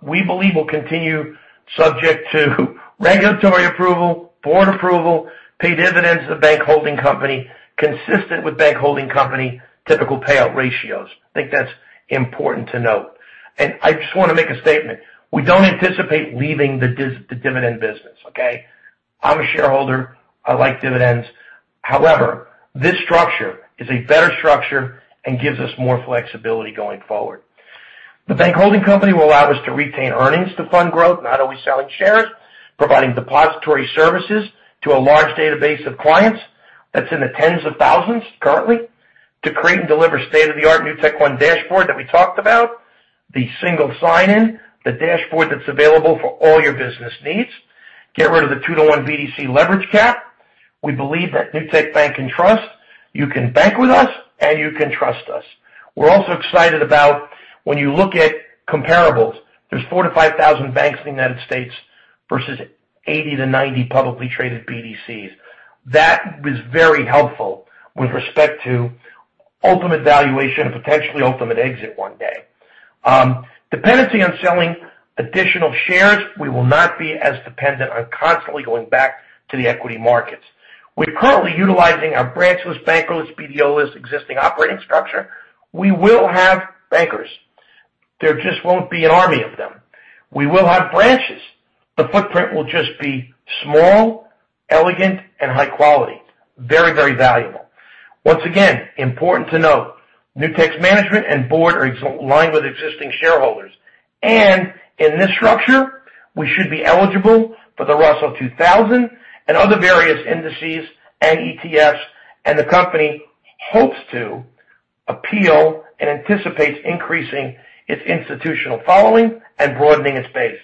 we believe we'll continue subject to regulatory approval, board approval, pay dividends to the bank holding company consistent with bank holding company typical payout ratios. I think that's important to note. I just want to make a statement. We don't anticipate leaving the dividend business, okay. I'm a shareholder. I like dividends. However, this structure is a better structure and gives us more flexibility going forward. The bank holding company will allow us to retain earnings to fund growth, not always selling shares. Providing depository services to a large database of clients that's in the tens of thousands currently. To create and deliver state-of-the-art NewtekOne Dashboard that we talked about. The single sign-in. The dashboard that's available for all your business needs. Get rid of the 2:1 BDC leverage cap. We believe at Newtek Bank and Trust, you can bank with us and you can trust us. We're also excited about when you look at comparables. There's four to 5,000 banks in the United States versus 80 to 90 publicly traded BDCs. That was very helpful with respect to ultimate valuation and potentially ultimate exit one day. Dependency on selling additional shares. We will not be as dependent on constantly going back to the equity markets. We're currently utilizing our branchless, bankerless, BDO-less existing operating structure. We will have bankers. There just won't be an army of them. We will have branches. The footprint will just be small, elegant, and high quality. Very valuable. Once again, important to note, Newtek's management and board are aligned with existing shareholders. In this structure, we should be eligible for the Russell 2000 and other various indices and ETFs, and the company hopes to appeal and anticipates increasing its institutional following and broadening its base.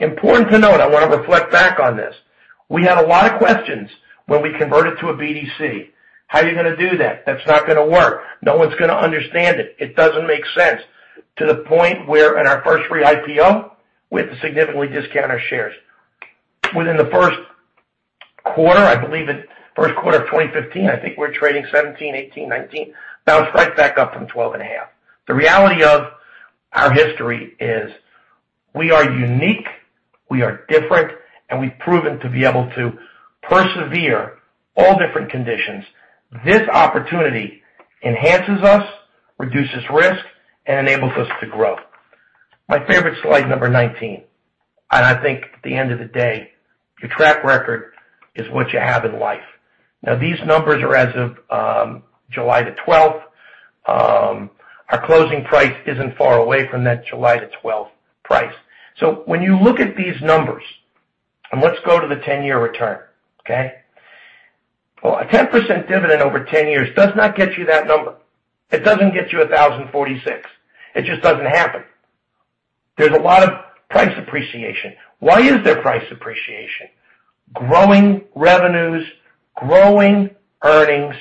Important to note, I want to reflect back on this. We had a lot of questions when we converted to a BDC. How are you going to do that? That's not going to work. No one's going to understand it. It doesn't make sense. To the point where in our first re-IPO, we had to significantly discount our shares. Within the first quarter, I believe first quarter of 2015, I think we were trading $17, $18, $19. Bounced right back up from $12.5. The reality of our history is we are unique, we are different, and we've proven to be able to persevere all different conditions. This opportunity enhances us, reduces risk, and enables us to grow. My favorite slide, number 19. I think at the end of the day, your track record is what you have in life. Now these numbers are as of July 12th. Our closing price isn't far away from that July 12th price. When you look at these numbers, and let's go to the 10-year return, okay? Well, a 10% dividend over 10 years does not get you that number. It doesn't get you 1,046. It just doesn't happen. There's a lot of price appreciation. Why is there price appreciation? Growing revenues, growing earnings,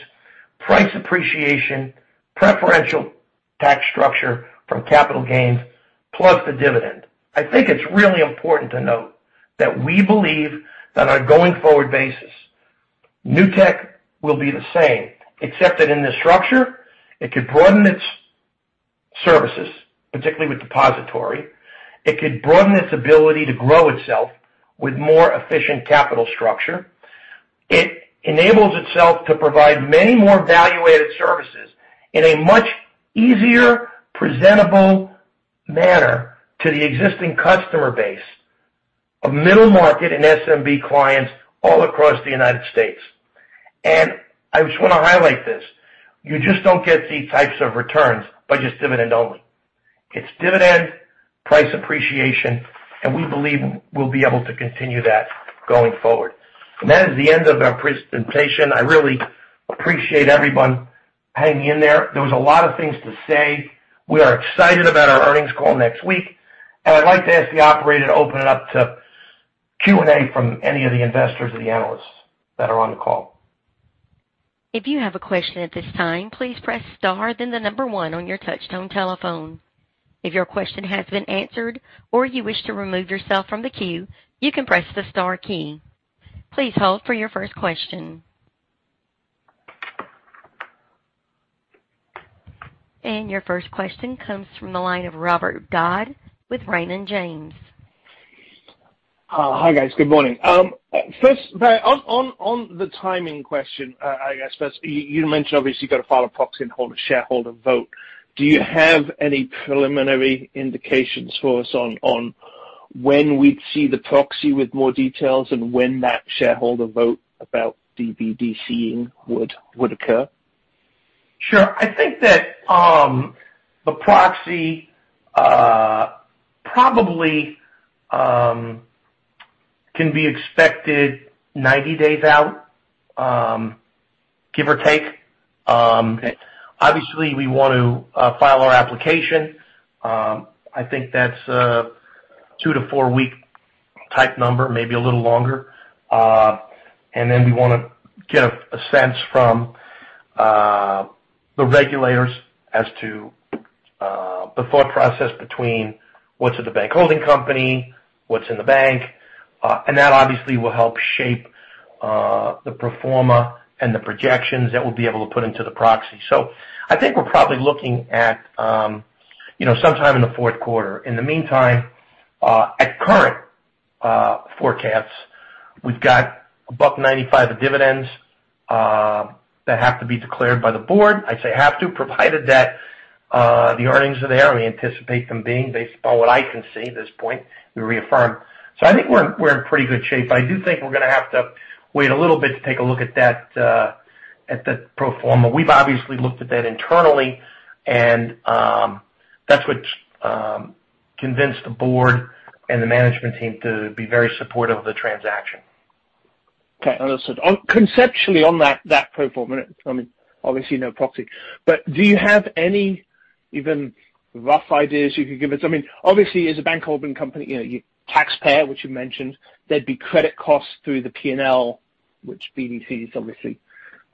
price appreciation, preferential tax structure from capital gains, plus the dividend. I think it's really important to note that we believe that on a going forward basis, Newtek will be the same, except that in this structure, it could broaden its services, particularly with depository. It could broaden its ability to grow itself with more efficient capital structure. It enables itself to provide many more value-added services in a much easier presentable manner to the existing customer base of middle market and SMB clients all across the United States. I just want to highlight this. You just don't get these types of returns by just dividend only. It's dividend, price appreciation, and we believe we'll be able to continue that going forward. That is the end of our presentation. I really appreciate everyone hanging in there. There was a lot of things to say. We are excited about our earnings call next week. I'd like to ask the operator to open it up to Q&A from any of the investors or the analysts that are on the call. If you have a question at this time, please press star, then the number one on your touchtone telephone. If your question has been answered, or you wish to remove yourself from the queue, you may press the star key. Please hold for your first question. Your first question comes from the line of Robert Dodd with Raymond James. Hi, guys. Good morning. First, on the timing question, I guess first, you mentioned obviously you've got to file a proxy and hold a shareholder vote. Do you have any preliminary indications for us on when we'd see the proxy with more details and when that shareholder vote about BDC-ing would occur? Sure. I think that the proxy probably can be expected 90 days out, give or take. Obviously, we want to file our application. I think that's a two- to four-week type number, maybe a little longer. We want to get a sense from the regulators as to the thought process between what's in the bank holding company, what's in the bank. That obviously will help shape the pro forma and the projections that we'll be able to put into the proxy. I think we're probably looking at some time in the fourth quarter. In the meantime, at current forecasts, we've got $1.95 of dividends that have to be declared by the board. I say have to, provided that the earnings are there, and we anticipate them being based upon what I can see at this point, we reaffirm. I think we're in pretty good shape. I do think we're going to have to wait a little bit to take a look at that pro forma. We've obviously looked at that internally, that's what convinced the board and the management team to be very supportive of the transaction. Okay. Understood. Conceptually, on that pro forma, obviously no proxy, but do you have any even rough ideas you could give us? Obviously, as a bank holding company, taxpayer, which you mentioned, there'd be credit costs through the P&L, which BDCs obviously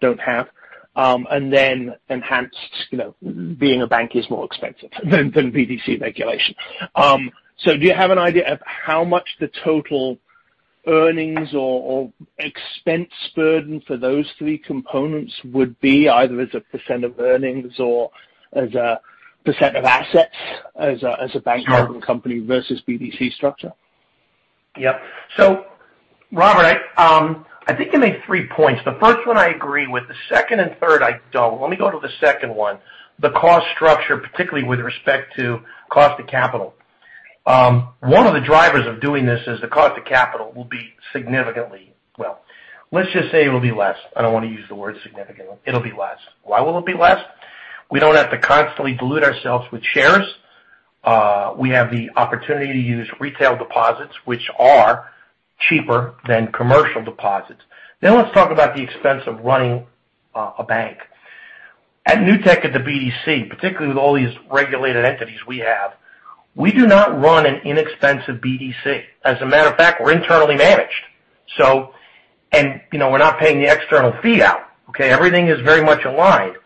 don't have. Then enhanced, being a bank is more expensive than BDC regulation. Do you have an idea of how much the total earnings or expense burden for those three components would be either as a % of earnings or as a % of assets? Holding company versus BDC structure? Yep. Robert, I think you made three points. The first one I agree with, the second and third I don't. Let me go to the second one. The cost structure, particularly with respect to cost of capital. One of the drivers of doing this is the cost of capital will be less. I don't want to use the word significantly. It'll be less. Why will it be less? We don't have to constantly dilute ourselves with shares. We have the opportunity to use retail deposits, which are cheaper than commercial deposits. Let's talk about the expense of running a bank. At Newtek, at the BDC, particularly with all these regulated entities we have, we do not run an inexpensive BDC. As a matter of fact, we're internally managed. We're not paying the external fee out. Okay? Everything is very much aligned.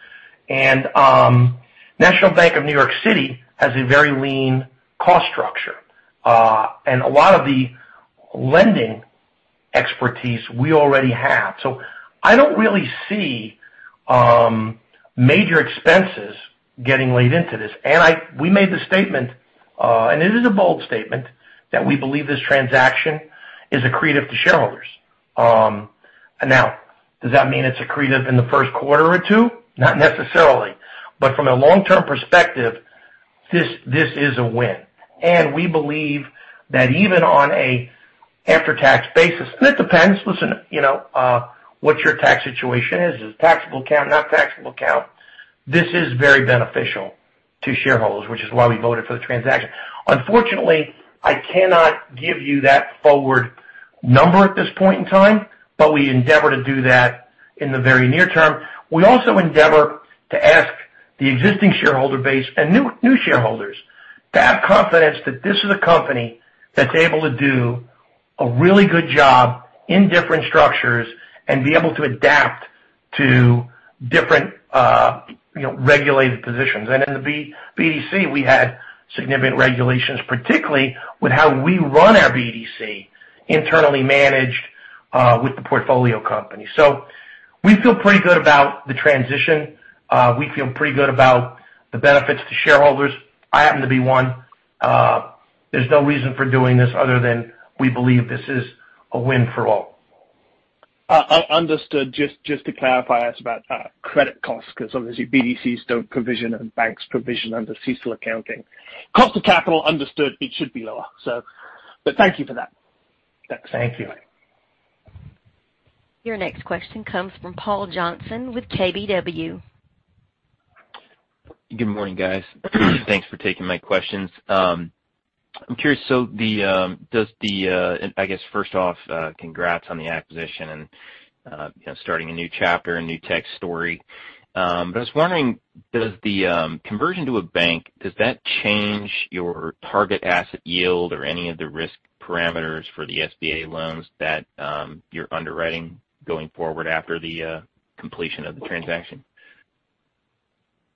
National Bank of New York City has a very lean cost structure. A lot of the lending expertise we already have. I don't really see major expenses getting laid into this. We made the statement, and it is a bold statement, that we believe this transaction is accretive to shareholders. Does that mean it's accretive in the first quarter or two? Not necessarily. From a long-term perspective, this is a win. We believe that even on an after-tax basis. It depends, listen, what your tax situation is. Is it taxable account, not taxable account? This is very beneficial to shareholders, which is why we voted for the transaction. Unfortunately, I cannot give you that forward number at this point in time, but we endeavor to do that in the very near term. We also endeavor to ask the existing shareholder base and new shareholders to have confidence that this is a company that's able to do a really good job in different structures and be able to adapt to different regulated positions. In the BDC, we had significant regulations, particularly with how we run our BDC internally managed with the portfolio company. We feel pretty good about the transition. We feel pretty good about the benefits to shareholders. I happen to be one. There's no reason for doing this other than we believe this is a win for all. Understood. Just to clarify, I asked about credit costs because obviously BDCs don't provision and banks provision under CECL accounting. Cost of capital understood it should be lower. Thank you for that. Thank you. Your next question comes from Paul Johnson with KBW. Good morning, guys. Thanks for taking my questions. I'm curious. I guess first off, congrats on the acquisition and starting a new chapter in Newtek's story. I was wondering, does the conversion to a bank, does that change your target asset yield or any of the risk parameters for the SBA loans that you're underwriting going forward after the completion of the transaction?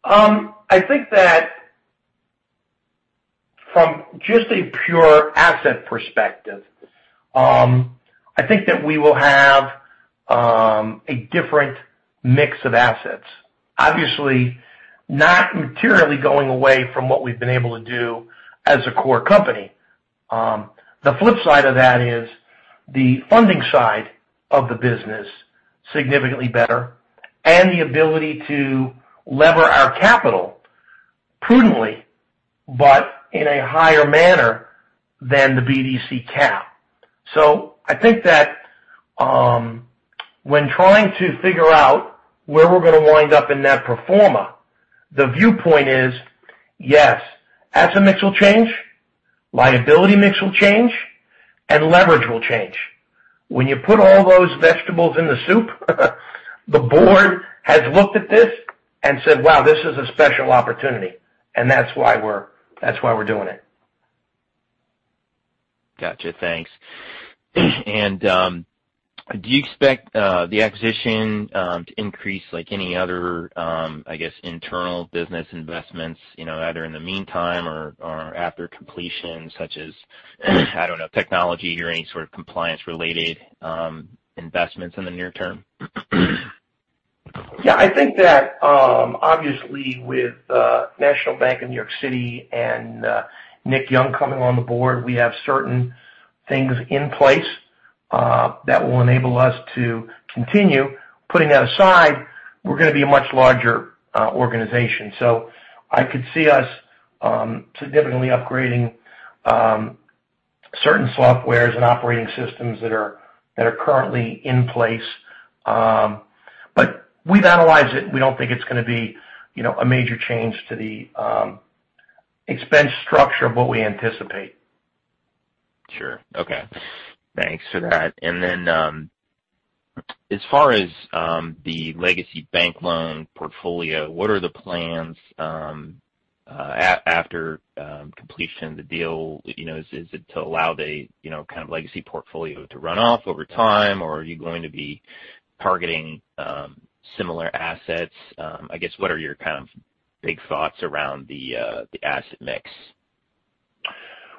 I think that from just a pure asset perspective, I think that we will have a different mix of assets. Obviously, not materially going away from what we've been able to do as a core company. The flip side of that is the funding side of the business significantly better and the ability to lever our capital prudently, but in a higher manner than the BDC cap. I think that when trying to figure out where we're going to wind up in that pro forma, the viewpoint is, yes, asset mix will change, liability mix will change, and leverage will change. When you put all those vegetables in the soup, the board has looked at this and said, "Wow, this is a special opportunity." That's why we're doing it. Got you. Thanks. Do you expect the acquisition to increase, like any other, I guess, internal business investments, either in the meantime or after completion, such as, I don't know, technology or any sort of compliance-related investments in the near term? Yeah, I think that, obviously with National Bank of New York City and Nick Young coming on the board, we have certain things in place that will enable us to continue. Putting that aside, we're going to be a much larger organization. I could see us significantly upgrading certain software's and operating systems that are currently in place. We've analyzed it, and we don't think it's going to be a major change to the expense structure of what we anticipate. Sure. Okay. Thanks for that. As far as the legacy bank loan portfolio, what are the plans after completion of the deal? Is it to allow the kind of legacy portfolio to run off over time, or are you going to be targeting similar assets? I guess what are your kind of big thoughts around the asset mix?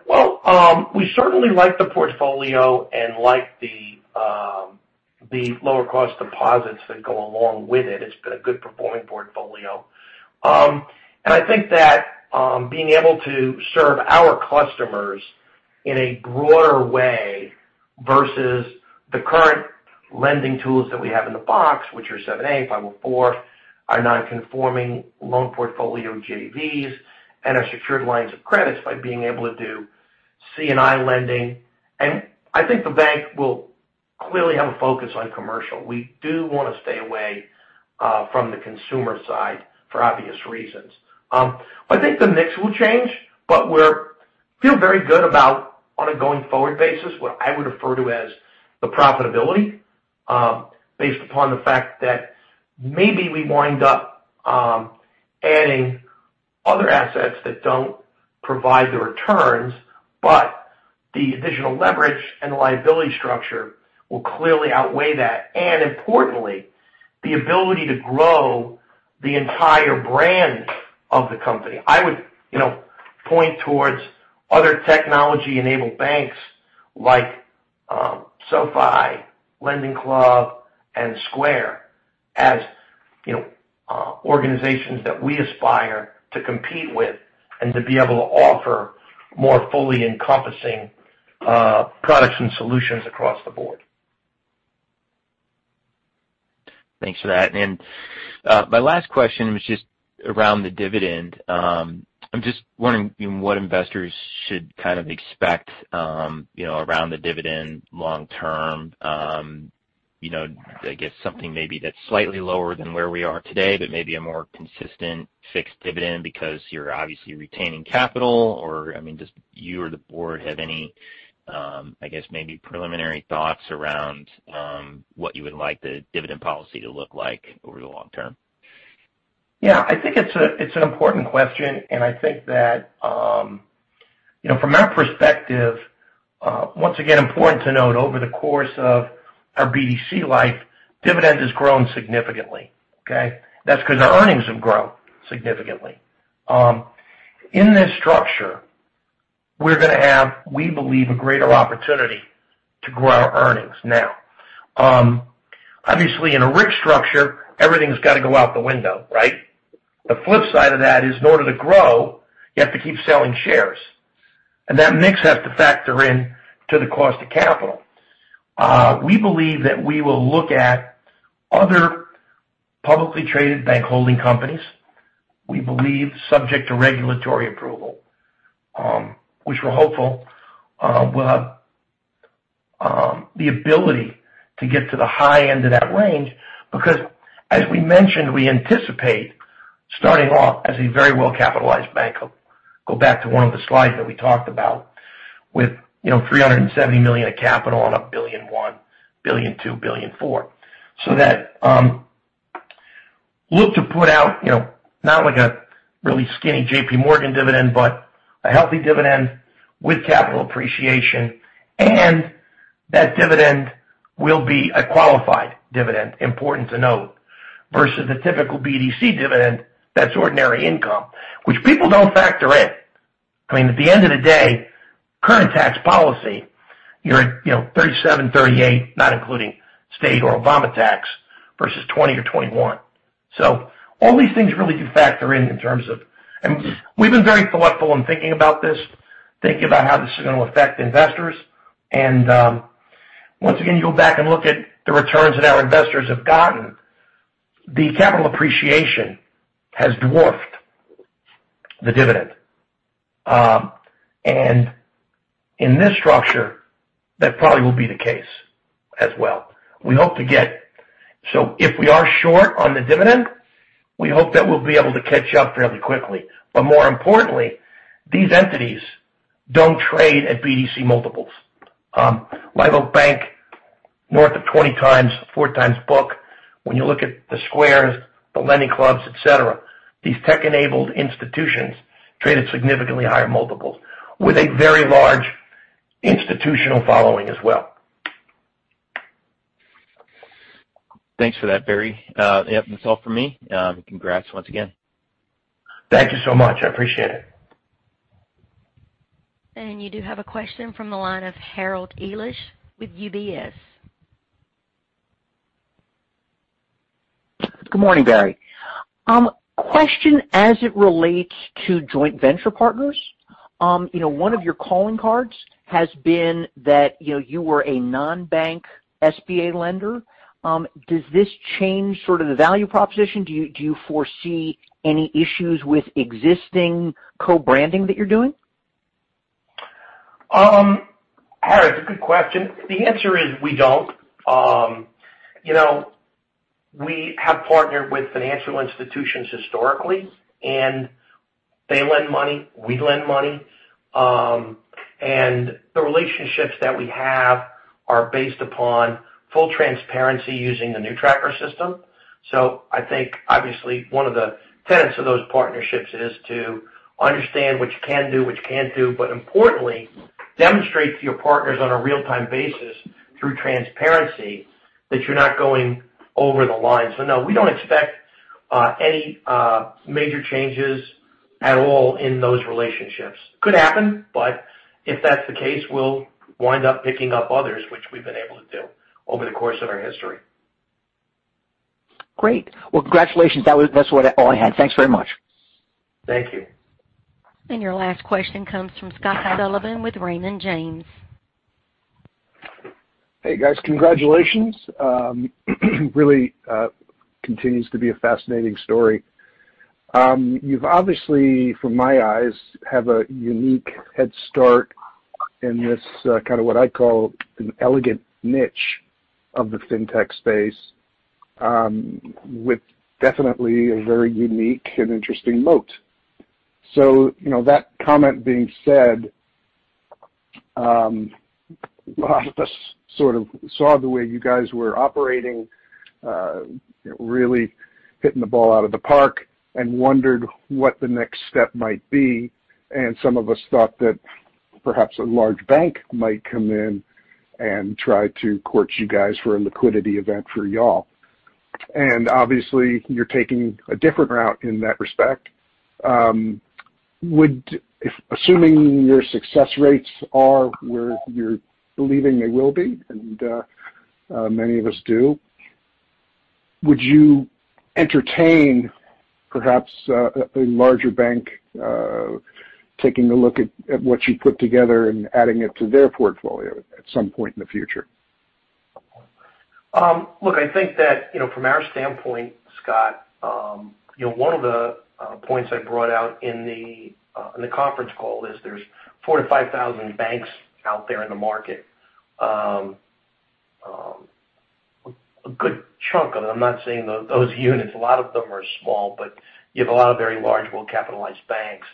Well, we certainly like the portfolio and like the lower cost deposits that go along with it. It's been a good performing portfolio. I think that being able to serve our customers in a broader way versus the current lending tools that we have in the box, which are 7(a), 504, our non-conforming loan portfolio JVs, and our secured lines of credits by being able to do C&I lending. I think the bank will clearly have a focus on commercial. We do want to stay away from the consumer side for obvious reasons. I think the mix will change, but we feel very good about on a going forward basis, what I would refer to as the profitability, based upon the fact that maybe we wind up adding other assets that don't provide the returns, but the additional leverage and liability structure will clearly outweigh that. Importantly, the ability to grow the entire brand of the company. I would point towards other technology-enabled banks like SoFi, LendingClub, and Square as organizations that we aspire to compete with and to be able to offer more fully encompassing products and solutions across the board. Thanks for that. My last question was just around the dividend. I'm just wondering what investors should, kind of expect around the dividend long term. I guess something maybe that's slightly lower than where we are today, but maybe a more consistent fixed dividend because you're obviously retaining capital. Just do you or the board have any, I guess maybe preliminary thoughts around what you would like the dividend policy to look like over the long term? Yeah, I think it's an important question, and I think that from our perspective, once again important to note over the course of our BDC life, dividend has grown significantly. Okay? That's because our earnings have grown significantly. In this structure, we're going to have, we believe, a greater opportunity to grow our earnings. Now, obviously in a RIC structure, everything's got to go out the window, right? The flip side of that is in order to grow, you have to keep selling shares. That mix has to factor into the cost of capital. We believe that we will look at other publicly traded bank holding companies. We believe subject to regulatory approval which we're hopeful will have the ability to get to the high end of that range because as we mentioned, we anticipate starting off as a very well-capitalized bank. Go back to one of the slides that we talked about with $370 million of capital on a $1.1 billion, $1.2 billion, $1.4 billion. That look to put out not like a really skinny JPMorgan dividend, but a healthy dividend with capital appreciation. That dividend will be a qualified dividend, important to note, versus the typical BDC dividend that's ordinary income. Which people don't factor in. At the end of the day, current tax policy, you're at 37.38%, not including state or Obama tax versus 20% or 21%. All these things really do factor in. We've been very thoughtful in thinking about this, thinking about how this is going to affect investors. Once again, you go back and look at the returns that our investors have gotten. The capital appreciation has dwarfed the dividend. In this structure, that probably will be the case as well. If we are short on the dividend, we hope that we'll be able to catch up fairly quickly. More importantly, these entities don't trade at BDC multiples. Live Oak Bank, north of 20x, 4x book. When you look at the Square, the LendingClub, et cetera, these tech-enabled institutions trade at significantly higher multiples with a very large institutional following as well. Thanks for that, Barry. Yep, that's all from me. Congrats once again. Thank you so much. I appreciate it. You do have a question from the line of Harold Elish with UBS. Good morning, Barry. Question as it relates to joint venture partners. One of your calling cards has been that you were a non-bank SBA lender. Does this change sort of the value proposition? Do you foresee any issues with existing co-branding that you're doing? Harold, it's a good question. The answer is we don't. We have partnered with financial institutions historically, and they lend money, we lend money. The relationships that we have are based upon full transparency using the NewTracker system. I think obviously one of the tenets of those partnerships is to understand what you can do, what you can't do, but importantly, demonstrate to your partners on a real-time basis through transparency that you're not going over the line. No, we don't expect any major changes at all in those relationships. Could happen, but if that's the case, we'll wind up picking up others, which we've been able to do over the course of our history. Great. Well, congratulations. That is all I had. Thanks very much. Thank you. Your last question comes from Scott Garfinkel with Raymond James. Hey guys, congratulations. Really continues to be a fascinating story. You've obviously, from my eyes, have a unique headstart in this, what I call an elegant niche of the fintech space, with definitely a very unique and interesting moat. That comment being said, a lot of us sort of saw the way you guys were operating, really hitting the ball out of the park, and wondered what the next step might be. Some of us thought that perhaps a large bank might come in and try to court you guys for a liquidity event for you all. Obviously, you're taking a different route in that respect. Assuming your success rates are where you're believing they will be, and many of us do, would you entertain perhaps a larger bank taking a look at what you put together and adding it to their portfolio at some point in the future? Look, I think that from our standpoint, Scott, one of the points I brought out in the conference call is there's 45,000 banks out there in the market. A good chunk of them, I'm not saying those units, a lot of them are small, but you have a lot of very large, well-capitalized banks.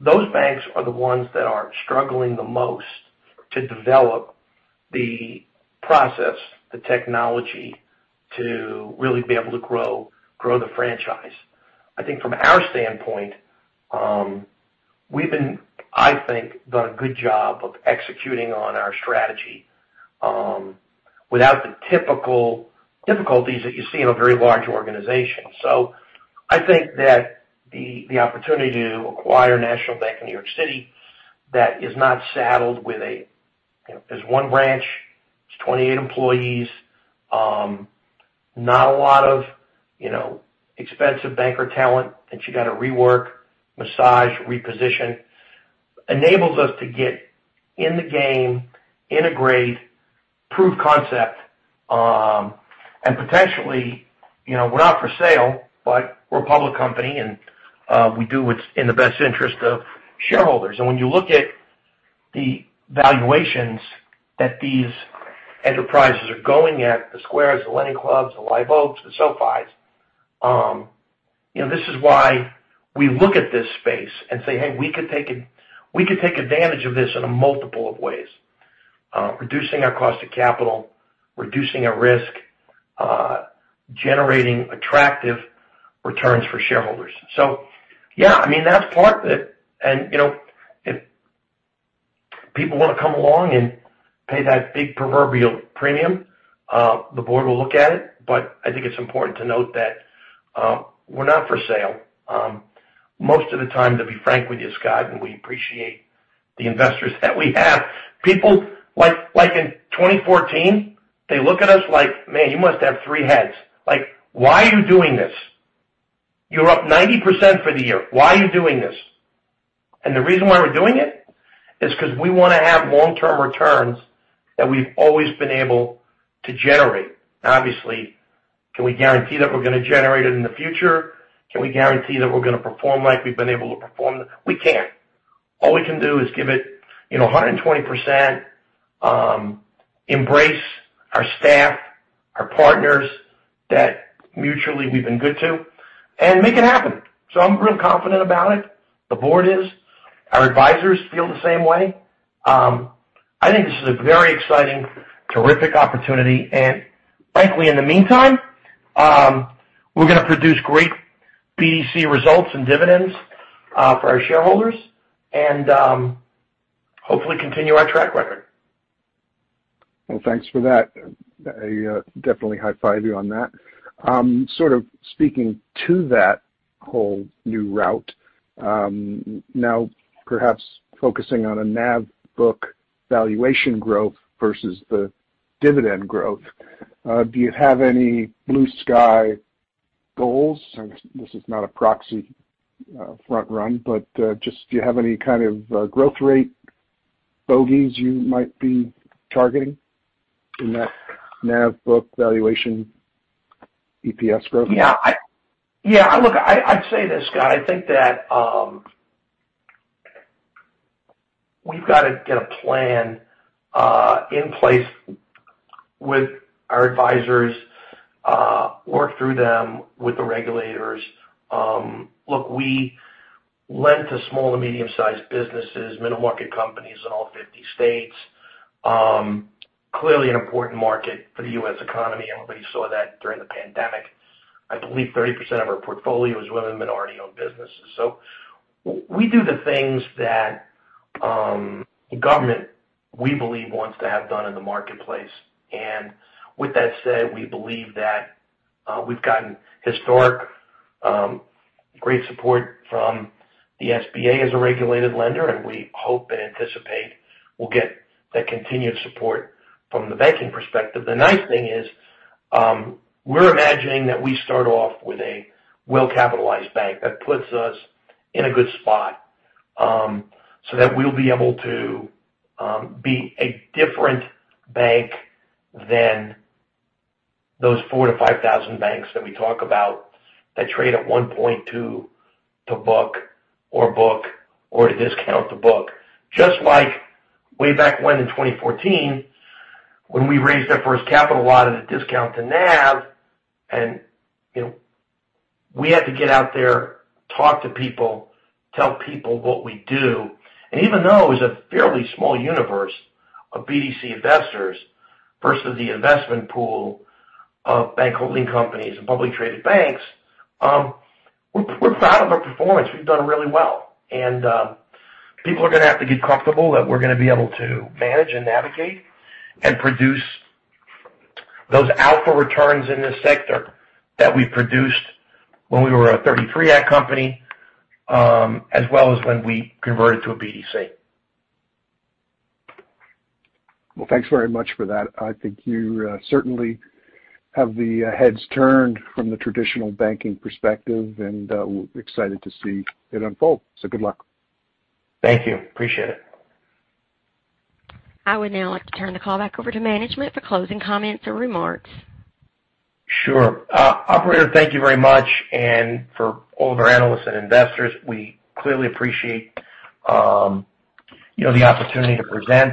Those banks are the ones that are struggling the most to develop the process, the technology to really be able to grow the franchise. I think from our standpoint, we've, I think, done a good job of executing on our strategy without the typical difficulties that you see in a very large organization. I think that the opportunity to acquire a national bank in New York City that is not saddled with. There's one branch, it's 28 employees. Not a lot of expensive banker talent that you got to rework, massage, reposition, enables us to get in the game, integrate, prove concept, and potentially. We're not for sale, but we're a public company, and we do what's in the best interest of shareholders. When you look at the valuations that these enterprises are going at, the Square, the LendingClub, the Live Oak, the SoFi. This is why we look at this space and say, "Hey, we could take advantage of this in a multiple of ways." Reducing our cost of capital, reducing our risk, generating attractive returns for shareholders. Yeah, that's part of it. If people want to come along and pay that big proverbial premium, the board will look at it. I think it's important to note that we're not for sale. Most of the time, to be frank with you, Scott, we appreciate the investors that we have. People, like in 2014, they look at us like, "Man, you must have three heads. Why are you doing this? You're up 90% for the year. Why are you doing this?" The reason why we're doing it is because we want to have long-term returns that we've always been able to generate. Obviously, can we guarantee that we're going to generate it in the future? Can we guarantee that we're going to perform like we've been able to perform? We can't. All we can do is give it 120%, embrace our staff, our partners that mutually we've been good to, and make it happen. I'm real confident about it. The board is. Our advisors feel the same way. I think this is a very exciting, terrific opportunity. Frankly, in the meantime, we're going to produce great BDC results and dividends for our shareholders, and hopefully continue our track record. Well, thanks for that. I definitely high five you on that. Sort of speaking to that whole new route. Now perhaps focusing on a NAV book valuation growth versus the dividend growth. Do you have any blue sky goals? This is not a proxy front run, but just, do you have any kind of growth rate bogeys you might be targeting in that NAV book valuation, EPS growth? Yeah. Look, I would say this, Scott. I think that, we've got to get a plan in place with our advisors, work through them with the regulators. Look, we lend to small and medium-sized businesses, middle-market companies in all 50 states. Clearly an important market for the U.S. economy. Everybody saw that during the pandemic. I believe 30% of our portfolio is women and minority-owned businesses. We do the things that government, we believe, wants to have done in the marketplace. With that said, we believe that we've gotten historic great support from the SBA as a regulated lender, and we hope and anticipate we'll get that continued support from the banking perspective. The nice thing is. We're imagining that we start off with a well-capitalized bank. That puts us in a good spot so that we'll be able to be a different bank than those 4,000-5,000 banks that we talk about that trade at 1.2 to book or book or at a discount to NAV. Just like way back when in 2014, when we raised our first capital lot at a discount to NAV, and we had to get out there, talk to people, tell people what we do. Even though it was a fairly small universe of BDC investors versus the investment pool of bank holding companies and publicly traded banks, we're proud of our performance. We've done really well. People are going to have to get comfortable that we're going to be able to manage and navigate and produce those alpha returns in this sector that we produced when we were a Securities Act of 1933 company, as well as when we converted to a BDC. Thanks very much for that. I think you certainly have the heads turned from the traditional banking perspective, and we're excited to see it unfold. Good luck. Thank you. Appreciate it. I would now like to turn the call back over to management for closing comments or remarks. Sure. Operator, thank you very much, and for all of our analysts and investors, we clearly appreciate the opportunity to present.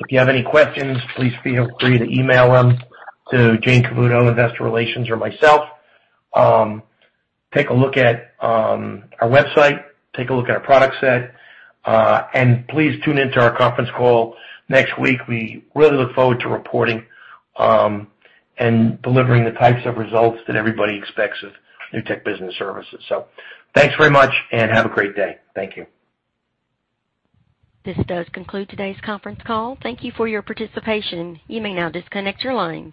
If you have any questions, please feel free to email them to Jayne Cavuoto, investor relations, or myself. Take a look at our website, take a look at our product set, and please tune into our conference call next week. We really look forward to reporting and delivering the types of results that everybody expects of Newtek Business Services. Thanks very much and have a great day. Thank you. This does conclude today's conference call. Thank you for your participation. You may now disconnect your lines.